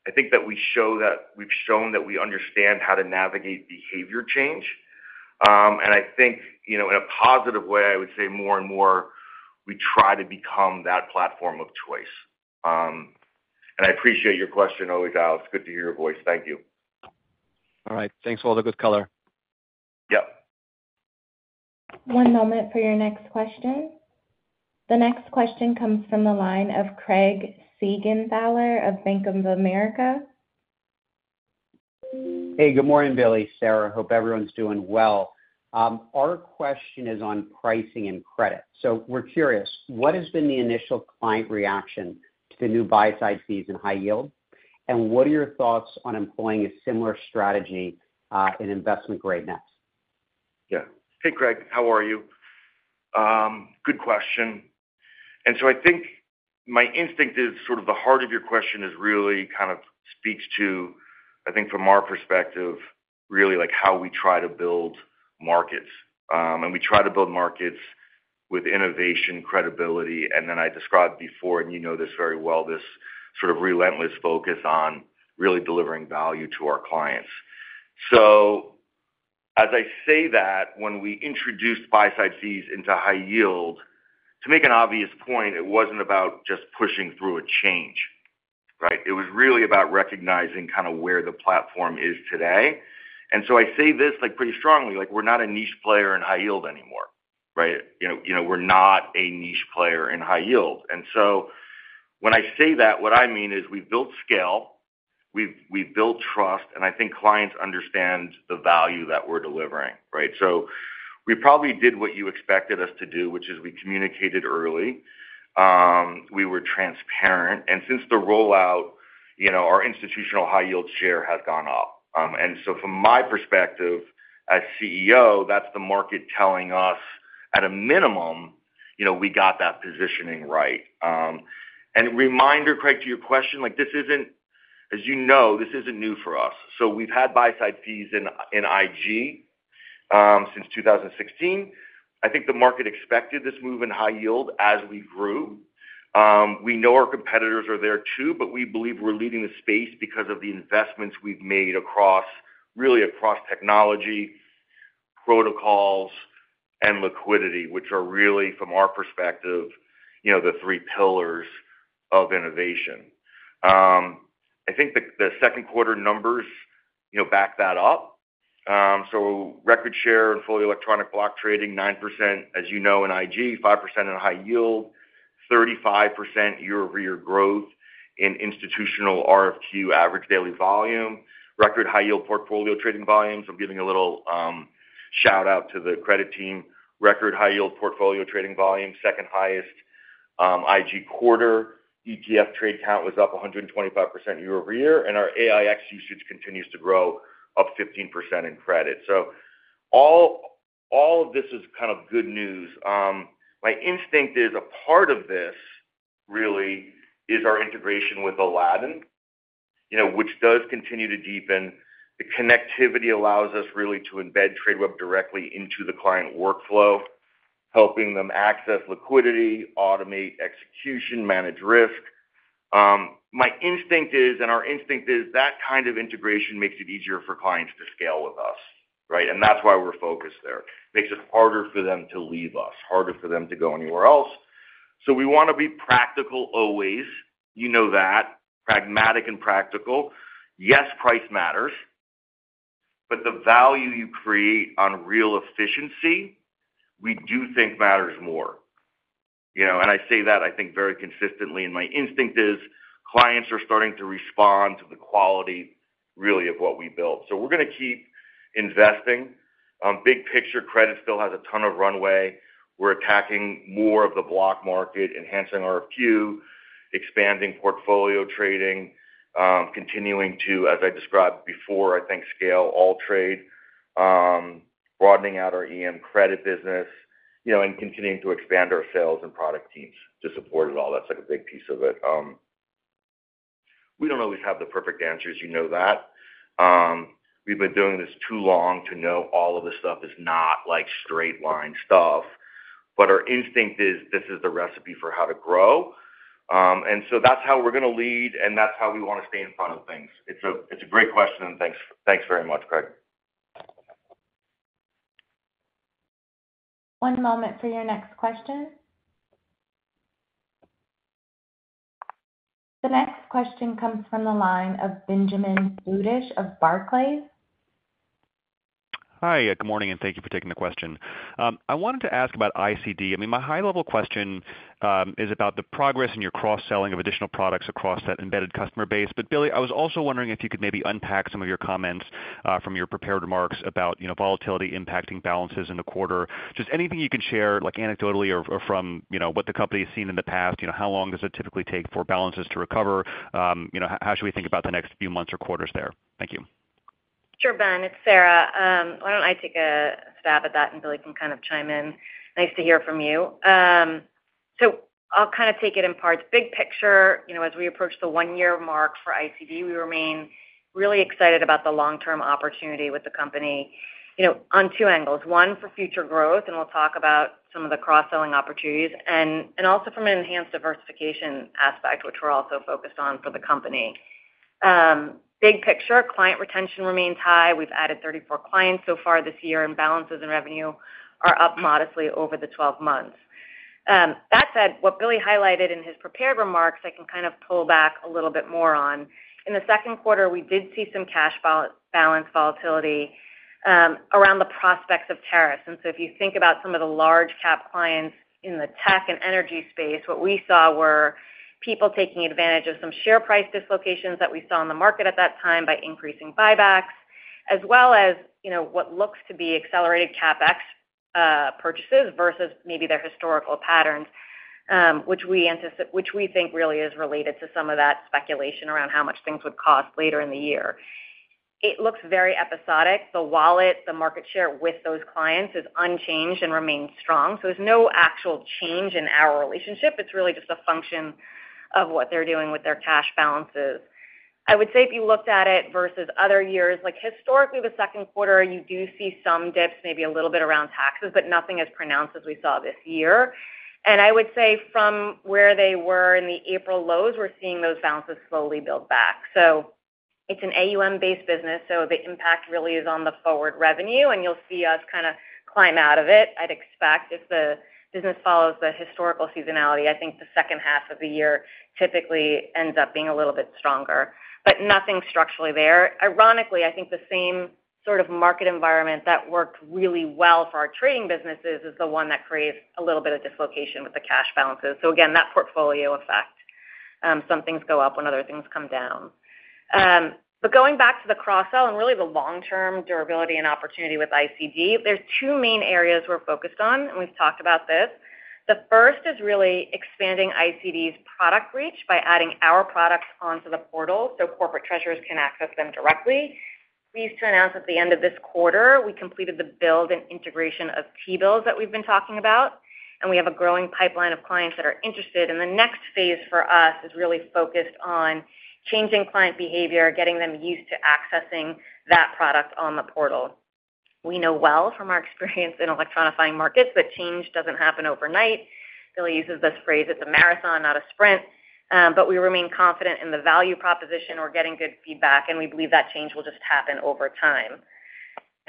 I think that we show that we've shown that we understand how to navigate behavior change. I think in a positive way, I would say more and more we try to become that platform of choice. I appreciate your question always, Alex. It's good to hear your voice. Thank you. All right. Thanks for all the good color. Yep. One moment for your next question. The next question comes from the line of Craig Siegenthaler of Bank of America. Hey, good morning, Billy, Sara. Hope everyone's doing well. Our question is on pricing and credit. So we're curious what has been the initial client reaction to the new buy side fees in High Yield, and what are your thoughts on employing a similar strategy in investment grade next? Yeah. Hey, Craig, how are you? Good question. I think my instinct is sort of the heart of your question is really kind of speaks to, I think from our perspective, really like how we try to build markets and we try to build markets with innovation, credibility. I described before, and you know this very well, this sort of relentless focus on really delivering value to our clients. I say that when we introduced buy side fees into High Yield, to make an obvious point, it was not about just pushing through a change, it was really about recognizing kind of where the platform is today. I say this pretty strongly. We are not a niche player in High Yield anymore. We are not a niche player in High Yield. When I say that, what I mean is we built scale, we built trust, and I think clients understand the value that we are delivering. Right? We probably did what you expected us to do, which is we communicated early, we were transparent, and since the rollout, our institutional high yield share has gone up. From my perspective as CEO, that is the market telling us at a minimum, we got that positioning right. Reminder, Craig, to your question, like, this is not, as you know, this is not new for us. We have had buy side fees in IG since 2016. I think the market expected this move in High Yield as we grew. We know our competitors are there too, but we believe we are leading the space because of the investments we have made across, really across technology, protocols, and liquidity, which are really from our perspective, the three pillars of innovation. I think the second quarter numbers back that up. Record share in fully electronic block trading, 9% as you know, in IG, 5% in High Yield, 35% year over year growth in institutional RFQ average daily volume, record high yield portfolio trading volumes. I am giving a little shout out to the credit team. Record high yield portfolio trading volume, second highest. IG quarter ETF trade count was up 125% year over year and our AIX usage continues to grow, up 15% in credit. All of this is kind of good news. My instinct is a part of this really is our integration with Aladdin, which does continue to deepen. The connectivity allows us really to embed Tradeweb directly into the client workflow, helping them access liquidity, automate execution, manage risk. My instinct is, and our instinct is, that kind of integration makes it easier for clients to scale with us. Right? That is why we are focused there, makes it harder for them to leave us, harder for them to go anywhere else. We want to be practical always, you know that. Pragmatic and practical. Yes, price matters, but the value you create on real efficiency we do think matters more. I say that I think very consistently. My instinct is clients are starting to respond to the quality really of what we built. We are going to keep investing. Big picture, credit still has a ton of runway. We are attacking more of the block market, enhancing our Q, expanding portfolio trading, continuing to, as I described before, I think scale All Trade, broadening out our EM credit business, you know, and continuing to expand our sales and product teams to support it all. That is a big piece of it. We do not always have the perfect answers, you know that. We have been doing this too long to know all of this stuff is not like straight line stuff. Our instinct is this is the recipe for how to grow. That is how we are going to lead and that is how we want to stay in front of things. It is a great question and thanks. Thanks very much, Craig. One moment for your next question. The next question comes from the line of Benjamin Budish of Barclays. Hi, good morning and thank you for taking the question. I wanted to ask about ICD. My high level question is about the progress in your cross-selling of additional products across that embedded customer base. Billy, I was also wondering if you could maybe unpack some of your comments from your prepared remarks. Volatility impacting balances in the quarter. Just anything you can share anecdotally or from what the company has seen in the past. How long does it typically take for balances to recover? How should we think about the next few months or quarters there? Thank you. Sure, Ben, it's Sara. Why don't I take a stab at that and Billy can kind of chime in. Nice to hear from you. I'll take it in parts. Big picture as we approach the one year mark for ICD, we remain really excited about the long term opportunity with the company on two angles. One for future growth and we'll talk about some of the cross selling opportunities and also from an enhanced diversification aspect which we're also focused on for the company. Big picture, client retention remains high. We've added 34 clients so far this year and balances and revenue are up modestly over the 12 months. That said, what Billy highlighted in his prepared remarks, I can kind of pull back a little bit more on in the second quarter. We did see some cash balance volatility around the prospects of tariffs. If you think about some of the large cap clients in the tech and energy space, what we saw were people taking advantage of some share price dislocations that we saw in the market at that time by increasing buybacks as well as what looks to be accelerated CapEx purchases versus maybe their historical patterns, which we think really is related to some of that speculation around how much things would cost later in the year. It looks very episodic. The wallet, the market share with those clients is unchanged and remains strong. There is no actual change in our relationship. It's really just a function of what they're doing with their cash balances. I would say if you looked at it versus other years, like historically the second quarter, you do see some dips maybe a little bit around taxes, but nothing as pronounced as we saw this year. I would say from where they were in the April lows, we're seeing those balances slowly build back. It's an AUM based business, so the impact really is on the forward revenue and you'll see us kind of climb out of it, I'd expect. If the business follows the historical seasonality, I think the second half of the year typically ends up being a little bit stronger, but nothing structurally there. Ironically, I think the same sort of market environment that works really well for our trading businesses is the one that creates a little bit of dislocation with the cash balances. Again, that portfolio effect, some things go up when other things come down. Going back to the cross sell and really the long term durability and opportunity with ICD, there are two main areas we're focused on and we've talked about this. The first is really expanding ICD's product reach by adding our products onto the portal so corporate treasurers can access them directly. Pleased to announce at the end of this quarter we completed the build and integration of T-bills that we've been talking about. We have a growing pipeline of clients that are interested. The next phase for us is really focused on changing client behavior, getting them used to accessing that product on the portal. We know well from our experience in electronifying markets that change doesn't happen overnight. Billy uses this phrase, it's a marathon, not a sprint. We remain confident in the value proposition. We're getting good feedback and we believe that change will just happen over time.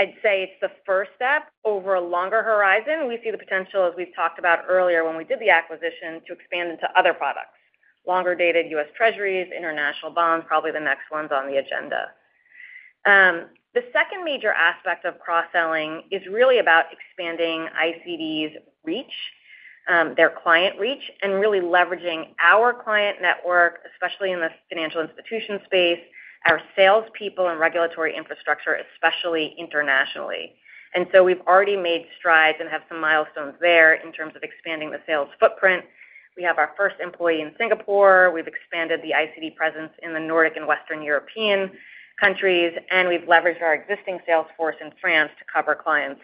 I'd say it's the first step over a longer horizon. We see the potential, as we talked about earlier when we did the acquisition, to expand into other products, longer dated U.S. Treasuries, international bonds, probably the next ones on the agenda. The second major aspect of cross selling is really about expanding ICD's reach, their client reach, and really leveraging our client network, especially in the financial institution space, our salespeople and regulatory infrastructure, especially internationally. We've already made strides and have some milestones there in terms of expanding the sales footprint. We have our first employee in Singapore, we've expanded the ICD presence in the Nordic and Western European countries, and we've leveraged our existing sales force in France to cover clients.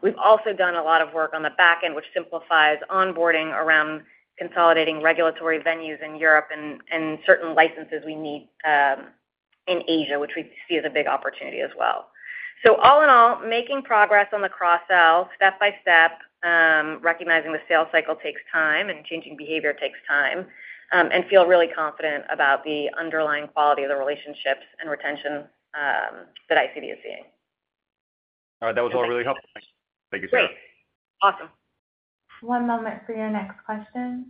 We've also done a lot of work on the back end, which simplifies onboarding around consolidating regulatory venues in Europe and certain licenses we need in Asia, which we see as a big opportunity as well. All in all, making progress on the cross sell step by step, recognizing the sales cycle takes time and changing behavior takes time and feel really confident about the underlying quality of the relationships and retention that ICD is seeing. All right, that was all really helpful. Thank you, Sara. Great. Awesome. One moment for your next question.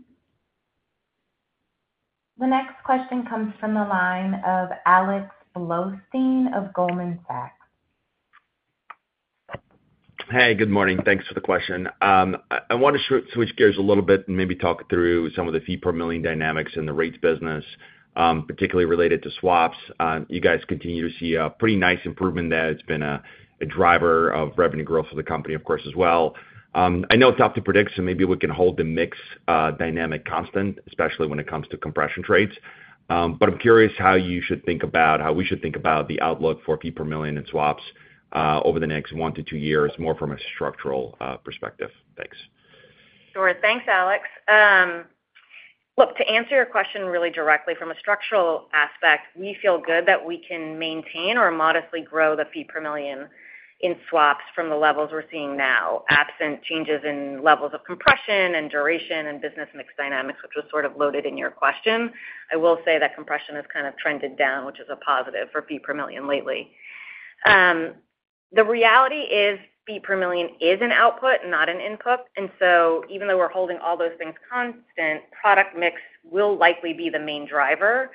The next question comes frm the line of Alex Blostein of Goldman Sachs. Hey, good morning. Thanks for the question. I want to switch gears a little bit and maybe talk through some of the fee per million dynamics in the rates business, particularly related to swaps. You guys continue to see a pretty nice improvement there. It's been a driver of revenue growth for the company, of course, as well. I know it's tough to predict, so maybe we can hold the mix dynamic constant, especially when it comes to compression trades. I'm curious how you should think about how we should think about the outlook for fee per million in swaps over the next one to two years, more from a structural perspective. Thanks. Sure. Thanks, Alex. Look, to answer your question really directly from a structural aspect, we feel good that we can maintain or modestly grow the fee per million in swaps from the levels we're seeing now. Absent changes in levels of compression and duration and business mix dynamics, which was sort of loaded in your question, I will say that compression has kind of trended down, which is a positive for fee per million lately. The reality is fee per million is an output, not an input. Even though we're holding all those things constant, product mix will likely be the main driver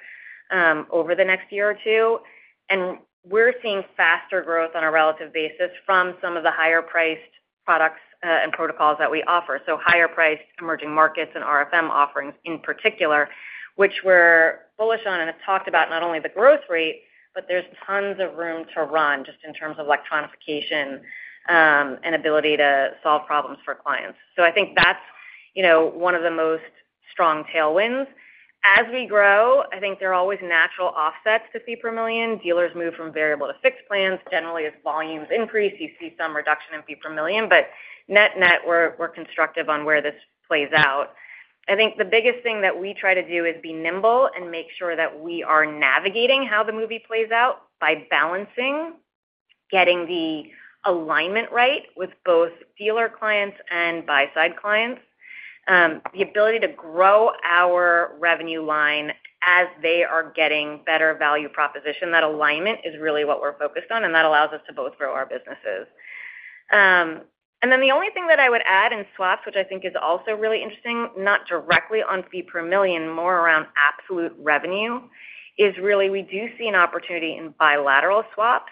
over the next year or two. We're seeing faster growth on a relative basis from some of the higher priced products and protocols that we offer. Higher priced emerging markets and RFM offerings in particular, which we're bullish on and have talked about not only the growth rate, but there's tons of room to run just in terms of electronification and ability to solve problems for clients. I think that's one of the most strong tailwinds as we grow. I think there are always natural offsets to fee per million. Dealers move from variable to fixed plans. Generally as volumes increase, you see some reduction in fee per million. Net, net we're constructive on where this plays out. I think the biggest thing that we try to do is be nimble and make sure that we are navigating how the movie plays out by balancing getting the alignment right with both dealer clients and buy side clients. The ability to grow our revenue line as they are getting better value proposition, that alignment is really what we are focused on and that allows us to both grow our businesses. The only thing that I would add in swaps, which I think is also really interesting, not directly on fee per million, more around absolute revenue is really, we do see an opportunity in bilateral swaps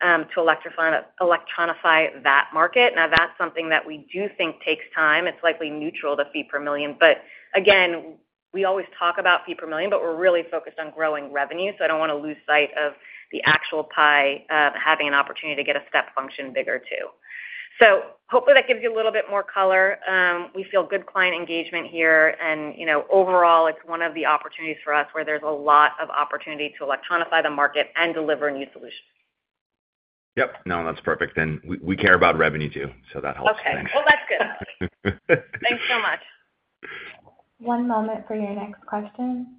to electronify that market. Now that's something that we do think takes time, it's likely neutral to fee per million. Again we always talk about fee per million, but we're really focused on growing revenue. I don't want to lose sight of the actual pie having an opportunity to get a step function bigger too. Hopefully that gives you a little bit more color. We feel good client engagement here and overall it's one of the opportunities for us where there's a lot of opportunity to electronify the market and deliver new solutions. Yep. No, that's perfect. And we care about revenue too, so that helps. That's good. Thanks so much. One moment for your next question.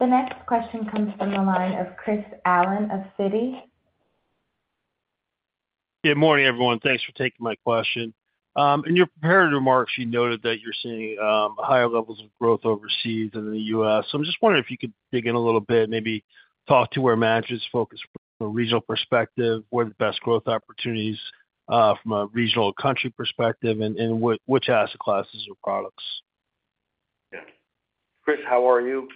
The next question comes from the line of Chris Allen of Citi. Good morning everyone. Thanks for taking my question. In your prepared remarks you noted that you're seeing higher levels of growth overseas in the U.S. So I'm just wondering if you could dig in a little bit, maybe talk to where matches focus fr,om a regional perspective. What are the best growth opportunities from a regional country perspective and which asset classes or products? Chris, how are you?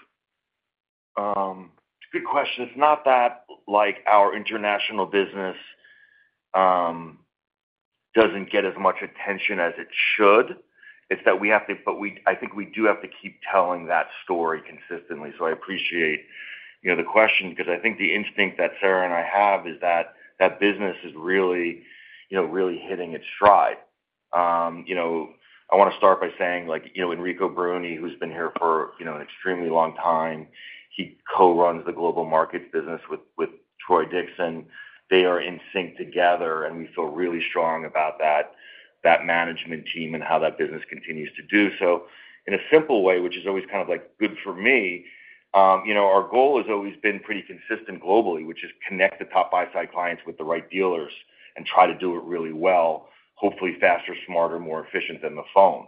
Good question. It's not that like our international business doesn't get as much attention as it should. It's that we have to. But I think we do have to keep telling that story consistently. I appreciate the question because I think the instinct that Sara and I have is that that business is really hitting its stride. I want to start by saying Enrico Bruni, who's been here for an extremely long time, he co-runs the global markets business with Troy Dixon. They are in sync together and we feel really strong about that management team and how that business continues to do so in a simple way, which is always kind of good for me. Our goal has always been pretty consistent globally, which is connect the top buy side clients with the right dealers, try to do it really well, hopefully faster, smarter, more efficient than the phone.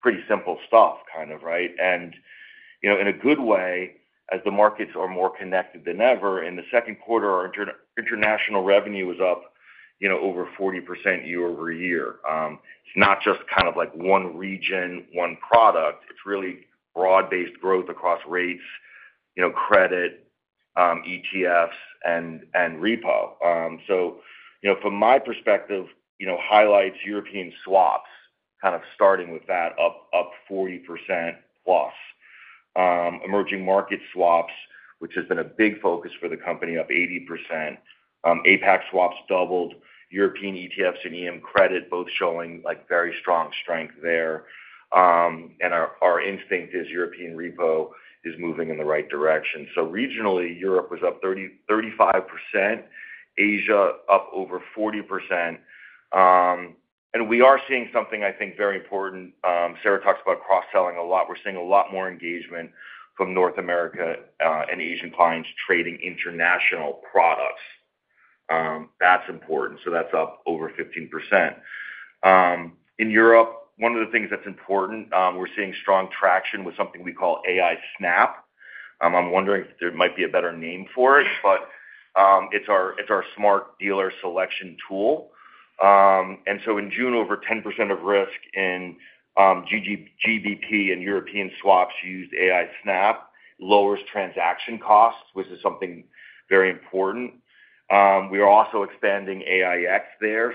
Pretty simple stuff, kind of right? In a good way as the markets are more connected than ever. In the second quarter our international revenue was up over 40% year over year. It's not just kind of like one region, one product. It's really broad-based growth across rates, credit, ETFs, and repo. From my perspective, highlights European swaps, kind of starting with that, up 40% plus. Emerging market swaps, which has been a big focus for the company, up 80%. APAC swaps doubled. European ETFs and EM credit both showing very strong strength there. Our instinct is European repo moving in the right direction. Regionally, Europe was up 35%, Asia up over 40%. We are seeing something I think very important. Sara talks about cross selling a lot. We're seeing a lot more engagement from North America and Asian clients trading international products. That's important. That's up over 15%. In Europe one of the things that's important, we're seeing strong traction with something we call AI Snap. I'm wondering if there might be a better name for it, but it's our smart dealer selection tool. In June, over 10% of risk in GBP and European swaps used AI Snap, lowers transaction costs, which is something very important. We are also expanding AIX there.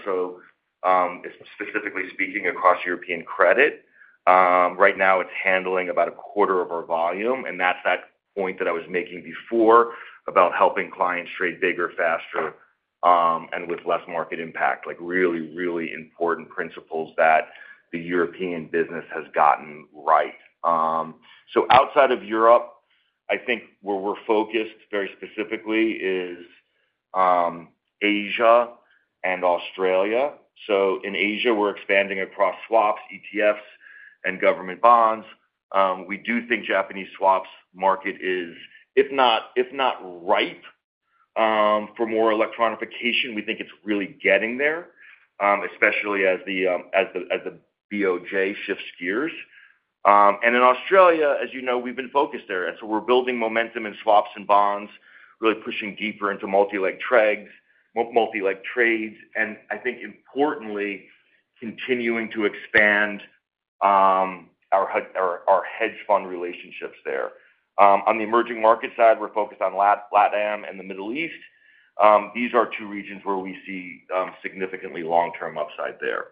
Specifically speaking across European credit, right now it's handling about a quarter of our volume. That's that point that I was making before about helping clients trade bigger, faster, and with less market impact. Like really, really important principles that the European business has gotten right. Outside of Europe, I think where we're focused very specifically is Asia and Australia. In Asia we're expanding across swaps, ETFs and government bonds. We do think Japanese swaps market is, if not ripe for more electronification, we think it's really getting there, especially as the BOJ shifts gears. In Australia, as you know, we've been focused there. We're building momentum in swaps and bonds, really pushing deeper into multi leg trades, and I think importantly continuing to expand our hedge fund relationships there. On the emerging market side, we're focused on LATAM and the Middle East. These are two regions where we see significantly long-term upside there.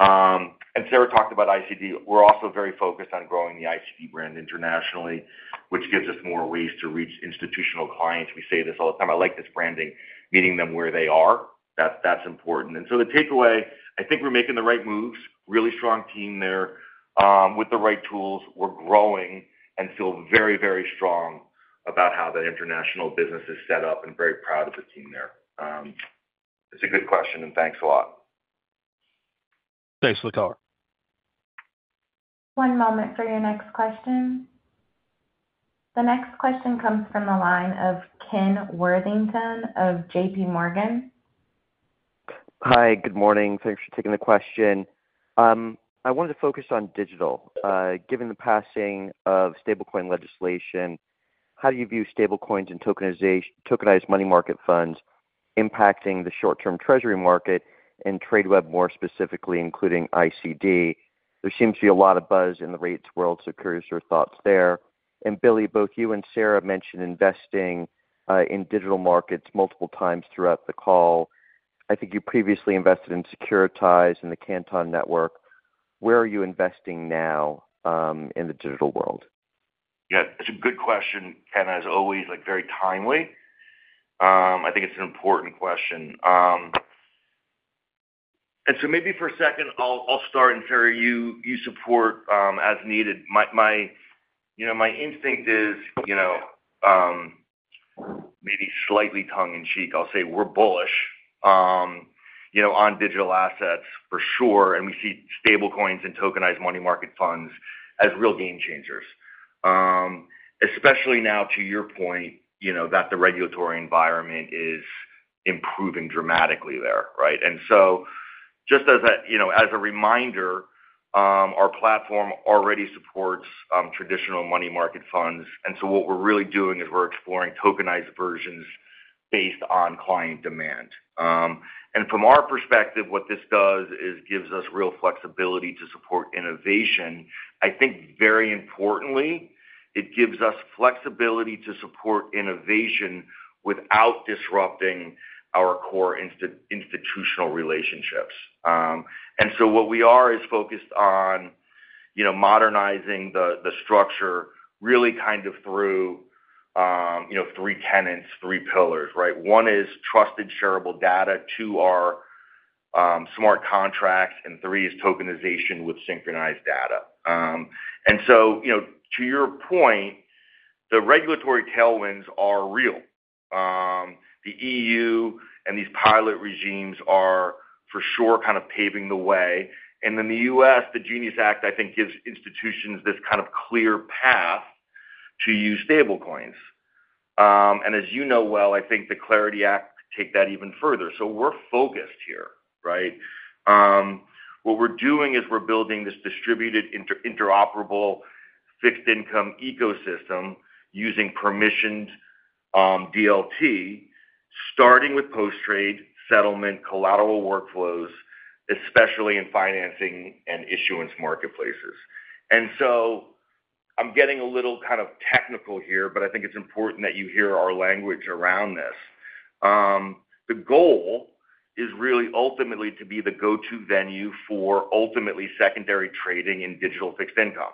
Sara talked about ICD. We're also very focused on growing the ICD brand internationally, which gives us more ways to reach institutional clients. We say this all the time. I like this branding, meeting them where they are, that's important. The takeaway, I think we're making the right moves. Really strong team there with the right tools. We're growing and feel very, very strong about how that international business is set up and very proud of the team there. It's a good question and thanks a lot. Thanks Lekar. One moment for your next question. The next question comes from the line of Ken Worthington of JPMorgan. Hi, good morning. Thanks for taking the question. I wanted to focus on digital given the passing of stablecoin legislation. How do you view stablecoins and tokenized money market funds impacting the short term Treasury market and Tradeweb more specifically, including ICD. There seems to be a lot of buzz in the rates world. Curious your thoughts there. Billy, both you and Sara mentioned investing in digital markets multiple times throughout the call. I think you previously invested in Securitize and the Canton Network. Where are you investing now in the digital world? Yeah, that's a good question. As always, very timely. I think it's an important question. And maybe for a second I'll start, and Terry, you support as needed. My instinct is, maybe slightly tongue in cheek, I'll say we're bullish on digital assets for sure. We see stablecoins and tokenized money market funds as real game changers, especially now, to your point, that the regulatory environment is improving dramatically there. Just as a reminder, our platform already supports traditional money market funds, and what we're really doing is we're exploring tokenized versions based on client demand. From our perspective, what this does is gives us real flexibility to support innovation. I think, very importantly, it gives us flexibility to support innovation without disrupting our core institutional relationships. What we are is focused on modernizing the structure really kind of through three tenets, three pillars. One is trusted shareable data, two are smart contracts, and three is tokenization with synchronized data. To your point, the regulatory tailwinds are real. The EU and these pilot regimes are for sure kind of paving the way, and in the U.S., the Genius Act, I think, gives institutions this kind of clear path to use stablecoins, and as you know, I think the Clarity Act takes that even further. We're focused here, right? What we're doing is we're building this distributed, interoperable fixed income ecosystem using permissioned DLT, starting with post-trade settlement collateral workflows, especially in financing and issuance marketplaces. I'm getting a little kind of technical here, but I think it's important that you hear our language around this. The goal is really ultimately to be the go-to venue for ultimately secondary trading in digital fixed income,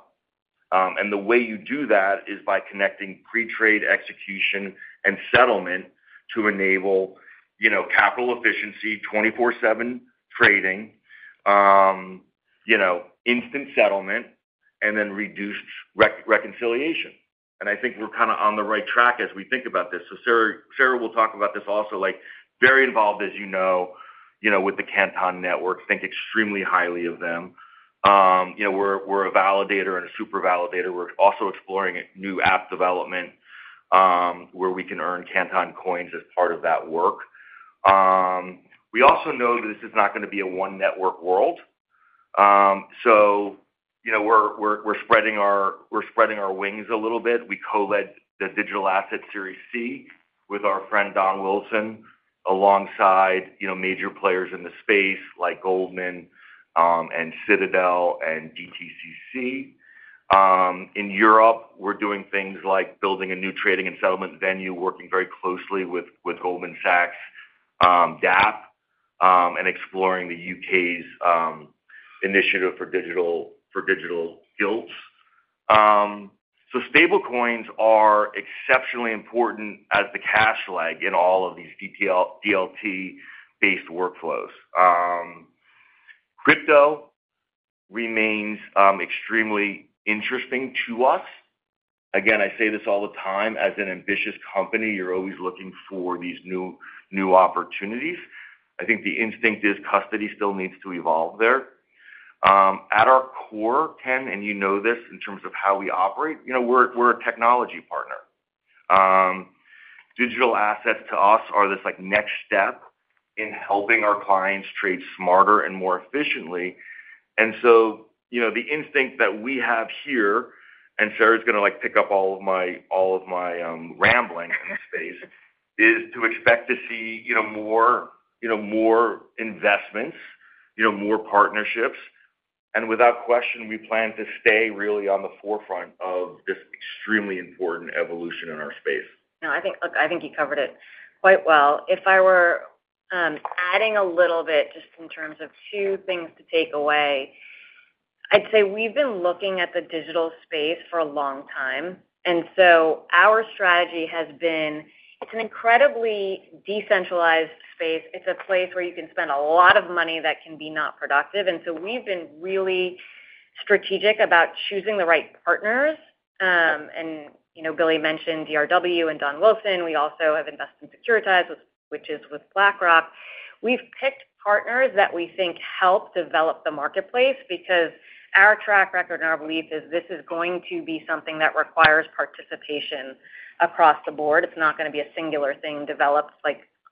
and the way you do that is by connecting pre-trade execution and settlement to enable capital efficiency, 24/7 trading, instant settlement, and then reduced reconciliation. I think we're kind of on the right track as we think about this. Sara will talk about this also, like very involved, as you know, with the Canton Network. Think extremely highly of them. We're a validator and a super validator. We're also exploring new app development where we can earn Canton coins as part of that work. We also know that this is not going to be a one network world, so, you know, we're spreading our wings a little bit. We co-led the Digital Asset Series C with our friend Don Wilson alongside major players in the space like Goldman Sachs and Citadel and DTCC. In Europe, we're doing things like building a new trading and settlement venue, working very closely with Goldman Sachs DAP and exploring the U.K.'s initiative for digital gilts. Stablecoins are exceptionally important as the cash flag in all of these DLT-based workflows. Crypto remains extremely interesting to us. Again, I say this all the time. As an ambitious company, you're always looking for these new opportunities. I think the instinct is custody still needs to evolve there. At our core, Ken, and you know this in terms of how we operate, you know, we're a technology partner. Digital assets to us are this, like, next step in helping our clients trade smarter and more efficiently. You know, the instinct that we have here, and Sara's going to, like, pick up all of my rambling in this space, is to expect to see more investments, more partnerships. Without question, we plan to stay really on the forefront of this extremely important evolution in our space. I think you covered it quite well. If I were adding a little bit just in terms of two things to take away, I'd say we've been looking at the digital space for a long time. Our strategy has been it's an incredibly decentralized space. It's a place where you can spend a lot of money that can be not productive. We've been really strategic about choosing the right partners. You know, Billy mentioned DRW and Don Wilson. We also have invested in Securitize, which is with BlackRock. We've picked partners that we think help develop the marketplace because our track record and our belief is this is going to be something that requires participation across the board. It's not going to be a singular thing developed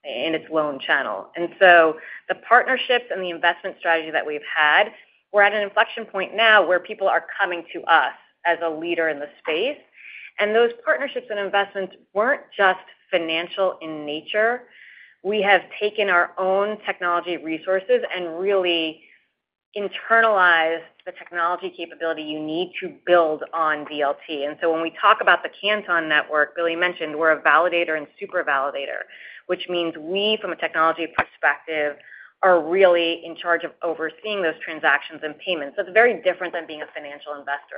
in its own channel. The partnerships and the investment strategy that we've had, we're at an inflection point now where people are coming to us as a leader in the space. Those partnerships and investments weren't just financial in nature. We have taken our own technology resources and really internalized the technology capability you need to build on DLT. When we talk about the Canton Network, Billy mentioned, we're a validator and super validator, which means we, from a technology perspective, are really in charge of overseeing those transactions and payments. That's very different than being a financial investor.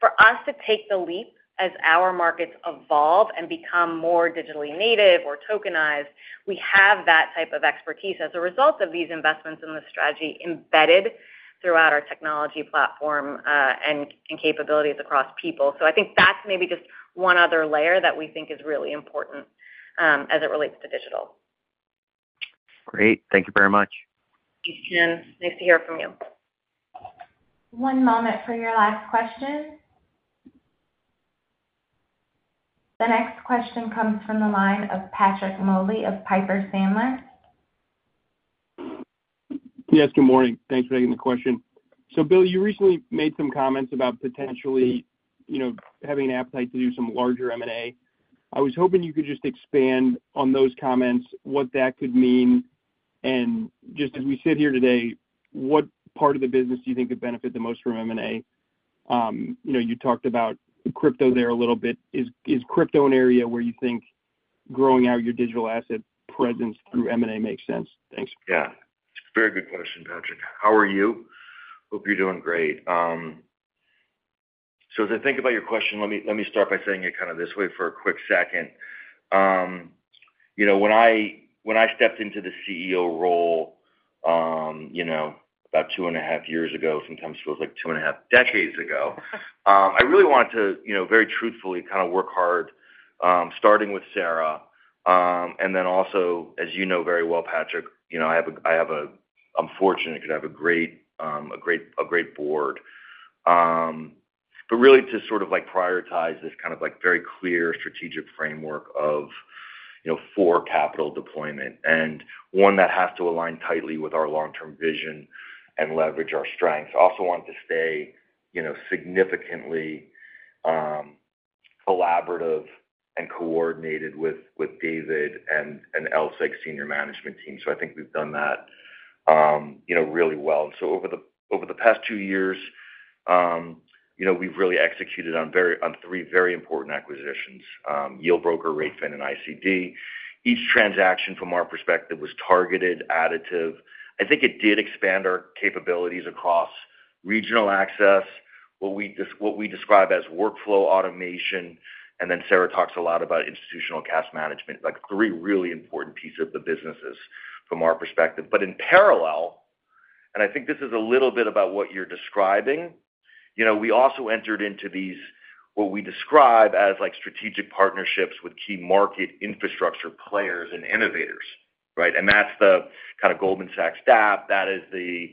For us to take the leap as our markets evolve and become more digitally native or tokenized, we have that type of expertise as a result of these investments in the strategy embedded throughout our technology platform and capabilities across people. I think that's maybe just one other layer that we think is really important as it relates to digital. Great. Thank you very much. Thanks, Ken. Nice to hear from you. One moment for your last question. The next question comes from the line of Patrick Moley of Piper Sandler. Yes, good morning. Thanks for taking the question. Bill, you recently made some comments about potentially, you know, having an appetite to do some larger M&A. I was hoping you could just expand on those comments, what that could mean. Just as we sit here today, what part of the business do you think could benefit the most from M&A? You know, you talked about crypto there a little bit. Is crypto an area where you think growing out your digital asset presence through M&A makes sense? Thanks. Yeah, very good question, Patrick. How are you? Hope you're doing great. As I think about your question, let me start by saying it kind of this way for a quick second. You know, when I stepped into the CEO role about two and a half years ago, sometimes it was like two and a half decades ago, I really wanted to, you know, very truthfully kind of work hard, starting with Sara. And then also, as you know very well, Patrick, I'm fortunate because I have a great, a great board, but really to sort of like prioritize this kind of like very clear strategic framework of, you know, for capital deployment and one that has to align tightly with our long term vision and leverage our strengths. Also want to stay, you know, significantly collaborative and coordinated with David and LSEG's senior management team. I think we've done that really well. Over the past two years we've really executed on three very important acquisitions: Yieldbroker, Ratefin, and ICD. Each transaction from our perspective was targeted, additive. I think it did expand our capabilities across regional access, what we describe as workflow automation. And then Sara talks a lot about institutional cash management, like three really important pieces of the businesses from our perspective. But in parallel, I think this is a little bit about what you're describing. We also entered into these, what we describe as strategic partnerships with key market infrastructure players and innovators. That's the kind of Goldman Sachs DAP, that is the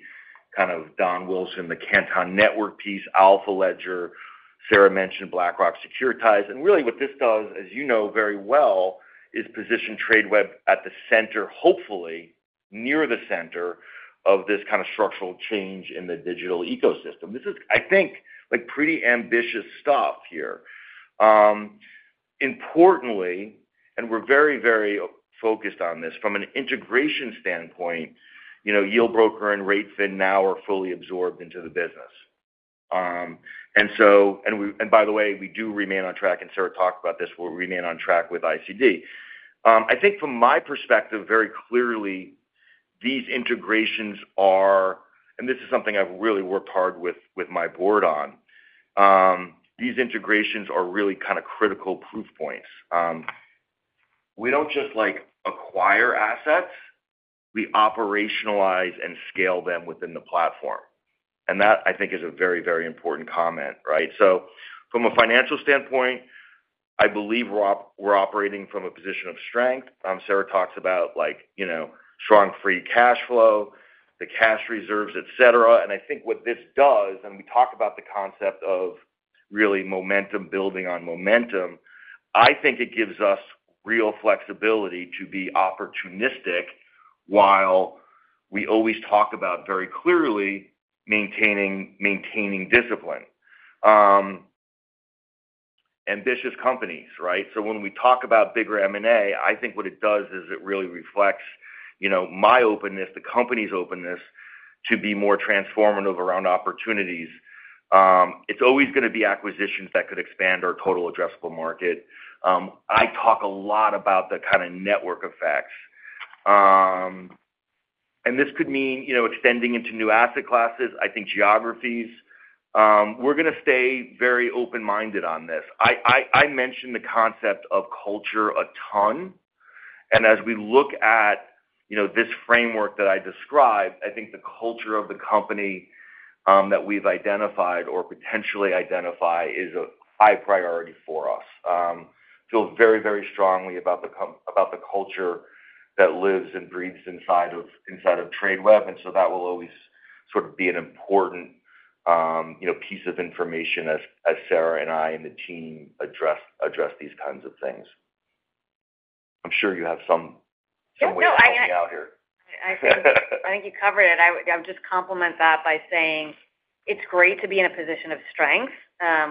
kind of Don Wilson, the Canton Network piece, AlphaLedger. Sara mentioned BlackRock, Securitize. Really what this does, as you know very well, is position Tradeweb at the center, hopefully near the center of this kind of structural change in the digital ecosystem. This is, I think, pretty ambitious stuff here. Importantly, and we're very, very focused on this from an integration standpoint, Yieldbroker and Ratefin now are fully absorbed into the business. By the way, we do remain on track, and Sara talked about this, we remain on track with ICD. I think from my perspective, very clearly these integrations are, and this is something I've really worked hard with my board on, these integrations are really kind of critical proof points. We don't just like acquire assets, we operationalize and scale them within the platform. That I think is a very, very important comment. Right? From a financial standpoint, I believe we're operating from a position of strength. Sara talks about strong free cash flow, the cash reserves, et cetera. I think what this does, and we talk about the concept of really momentum building on momentum, is it gives us real flexibility to be opportunistic. While we always talk about very clearly maintaining discipline, ambitious companies. Right? When we talk about bigger M&A, I think what it does is it really reflects my openness, the company's openness to be more transformative around opportunities. It's always going to be acquisitions that could expand our total addressable market. I talk a lot about the kind of network effects, and this could mean extending into new asset classes. I think geographies. We're going to stay very open minded on this. I mention the concept of culture a ton. As we look at this framework that I described, I think the culture of the company that we've identified or potentially identify is a high priority for us. I feel very, very strongly about the culture that lives and breathes inside of Tradeweb. That will always sort of be an important piece of information as Sara and I and the team address these kinds of things. I'm sure you have some ways of working out here. I think you covered it. I would just compliment that by saying it's great to be in a position of strength,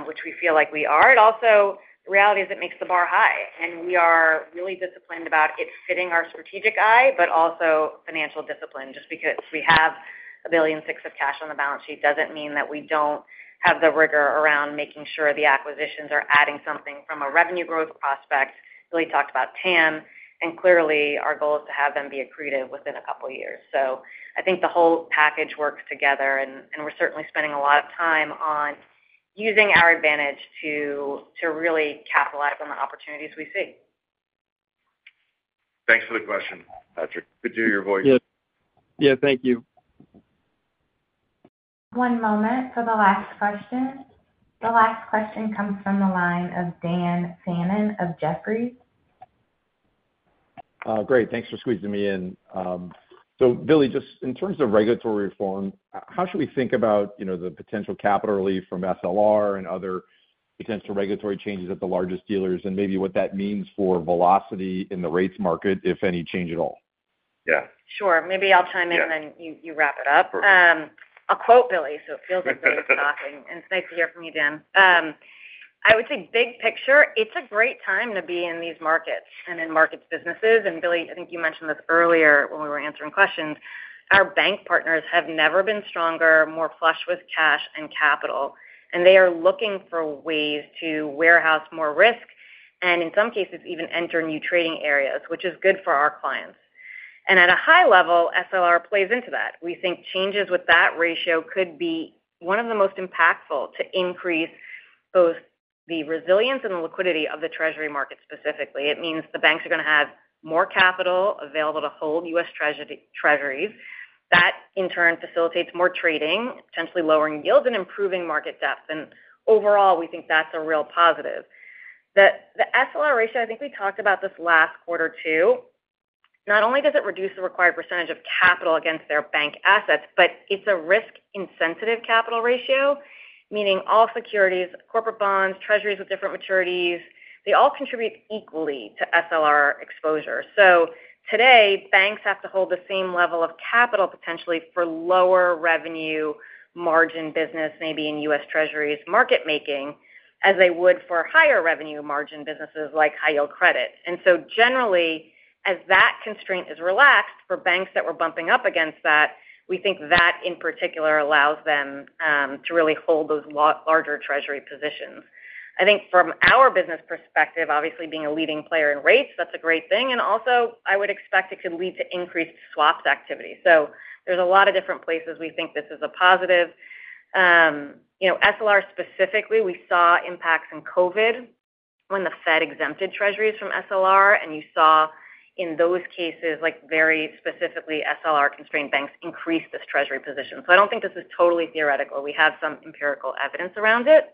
which we feel like we are. The reality is it makes the bar high and we are really just about it, fitting our strategic eye, but also financial discipline. Just because we have $1.6 billion of cash on the balance sheet doesn't mean that we don't have the rigor around making sure the acquisitions are adding something from a revenue growth prospect. Billy talked about TAM and clearly our goal is to have them be accretive within a couple years. I think the whole package works together and we're certainly spending a lot of time on using our advantage to really capitalize on the opportunities we seek. Thanks for the question, Patrick. Good to hear your voice. Yeah, thank you. One moment for the last question. The last question comes from the line of Dan Fannon of Jefferies. Great. Thanks for squeezing me in. Billy, just in terms of regulatory reform, how should we think about the potential capital relief from SLR and other potential regulatory changes at the largest dealers. Maybe what that means for velocity in the rates market, if any change at all. Yeah. Sure. Maybe I'll chime in and then you wrap it up. I'll quote Billy. It feels like Billy's talking and it's nice to hear from you, Dan. I would say big picture, it's a great time to be in these markets and in market businesses. Billy, I think you mentioned this earlier when we were answering questions. Our bank partners have never been stronger, more flush with cash and capital, and they are looking for ways to warehouse more risk and in some cases even enter new trading areas, which is good for our clients. At a high level SLR plays into that. We think changes with that ratio could be one of the most impactful to increase both the resilience and the liquidity of the Treasury market specifically. It means the banks are going to have more capital available to hold U.S. Treasuries. That in turn facilitates more trading, potentially lowering yields and improving market depth. Overall we think that's a real positive. The SLR ratio, I think we talked about this last quarter too. Not only does it reduce the required percentage of capital against their bank assets, but it's a risk insensitive capital ratio, meaning all securities, corporate bonds, Treasuries with different maturities, they all contribute equally to SLR exposure. Today banks have to hold the same level of capital potentially for lower revenue margin business, maybe in U.S. Treasuries market making, as they would for higher revenue margin businesses like High Yield Credit. Generally as that constraint is relaxed for banks that were bumping up against that, we think that in particular allows them to really hold those larger Treasury positions. I think from our business perspective, obviously being a leading player in rates, that's a great thing. I would expect it could lead to increased swaps activity. There are a lot of different places we think this is a positive. SLR specifically, we saw impacts in Covid when the Fed exempted Treasuries from SLR. You saw in those cases, very specifically, SLR constrained banks increase this Treasury position. I don't think this is totally theoretical. We have some empirical evidence around it.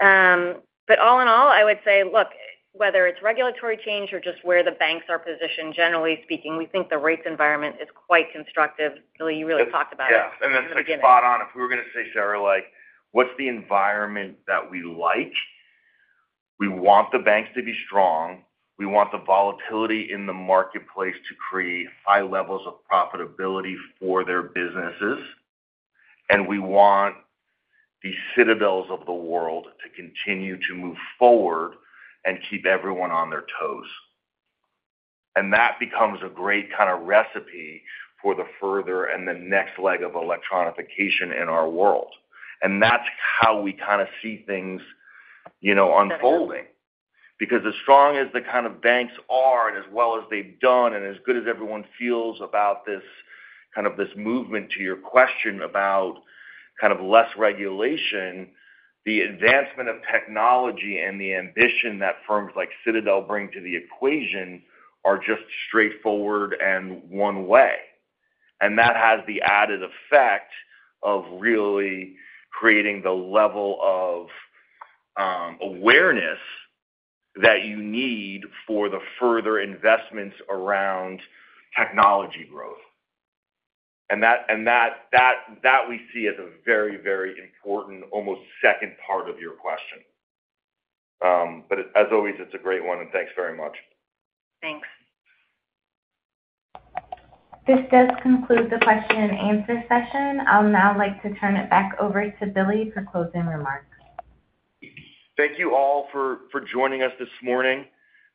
All in all I would say look, whether it's regulatory change or just where the banks are positioned, generally speaking we think the rates environment is quite constructive. Billy, you really talked about it. Yeah, and that's spot on. If we were going to say, Sara, like what's the environment that we like, we want the banks to be strong. We want the volatility in the marketplace to create high levels of profitability for their businesses. We want the Citadels of the world to continue to move forward and keep everyone on their toes. That becomes a great kind of recipe for the further and the next leg of electronification in our world. That's how we kind of see things unfolding. Because as strong as the kind of banks are and as well as they've done, and as good as everyone feels about this kind of, this movement, to your question about kind of less regulation, the advancement of technology and the ambition that firms like Citadel bring to the equation are just straightforward and one way. That has the added effect of really creating the level of awareness that you need for the further investments around technology growth. That we see as a very, very important almost second part of your question. As always, it's a great one. Thanks very much. Thanks. This does conclude the question and answer session. I'll now like to turn it back over to Billy for closing remarks. Thank you all for joining us this morning.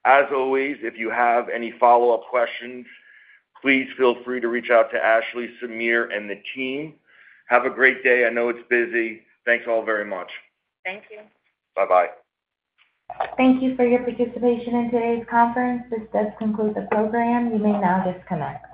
As always, if you have any follow up questions, please feel free to reach out to Ashley, Sameer, and the team. Have a great day. I know it's busy. Thanks all very much. Thank you. Bye bye. Thank you for your participation in today's conference. This does conclude the program. You may now disconnect.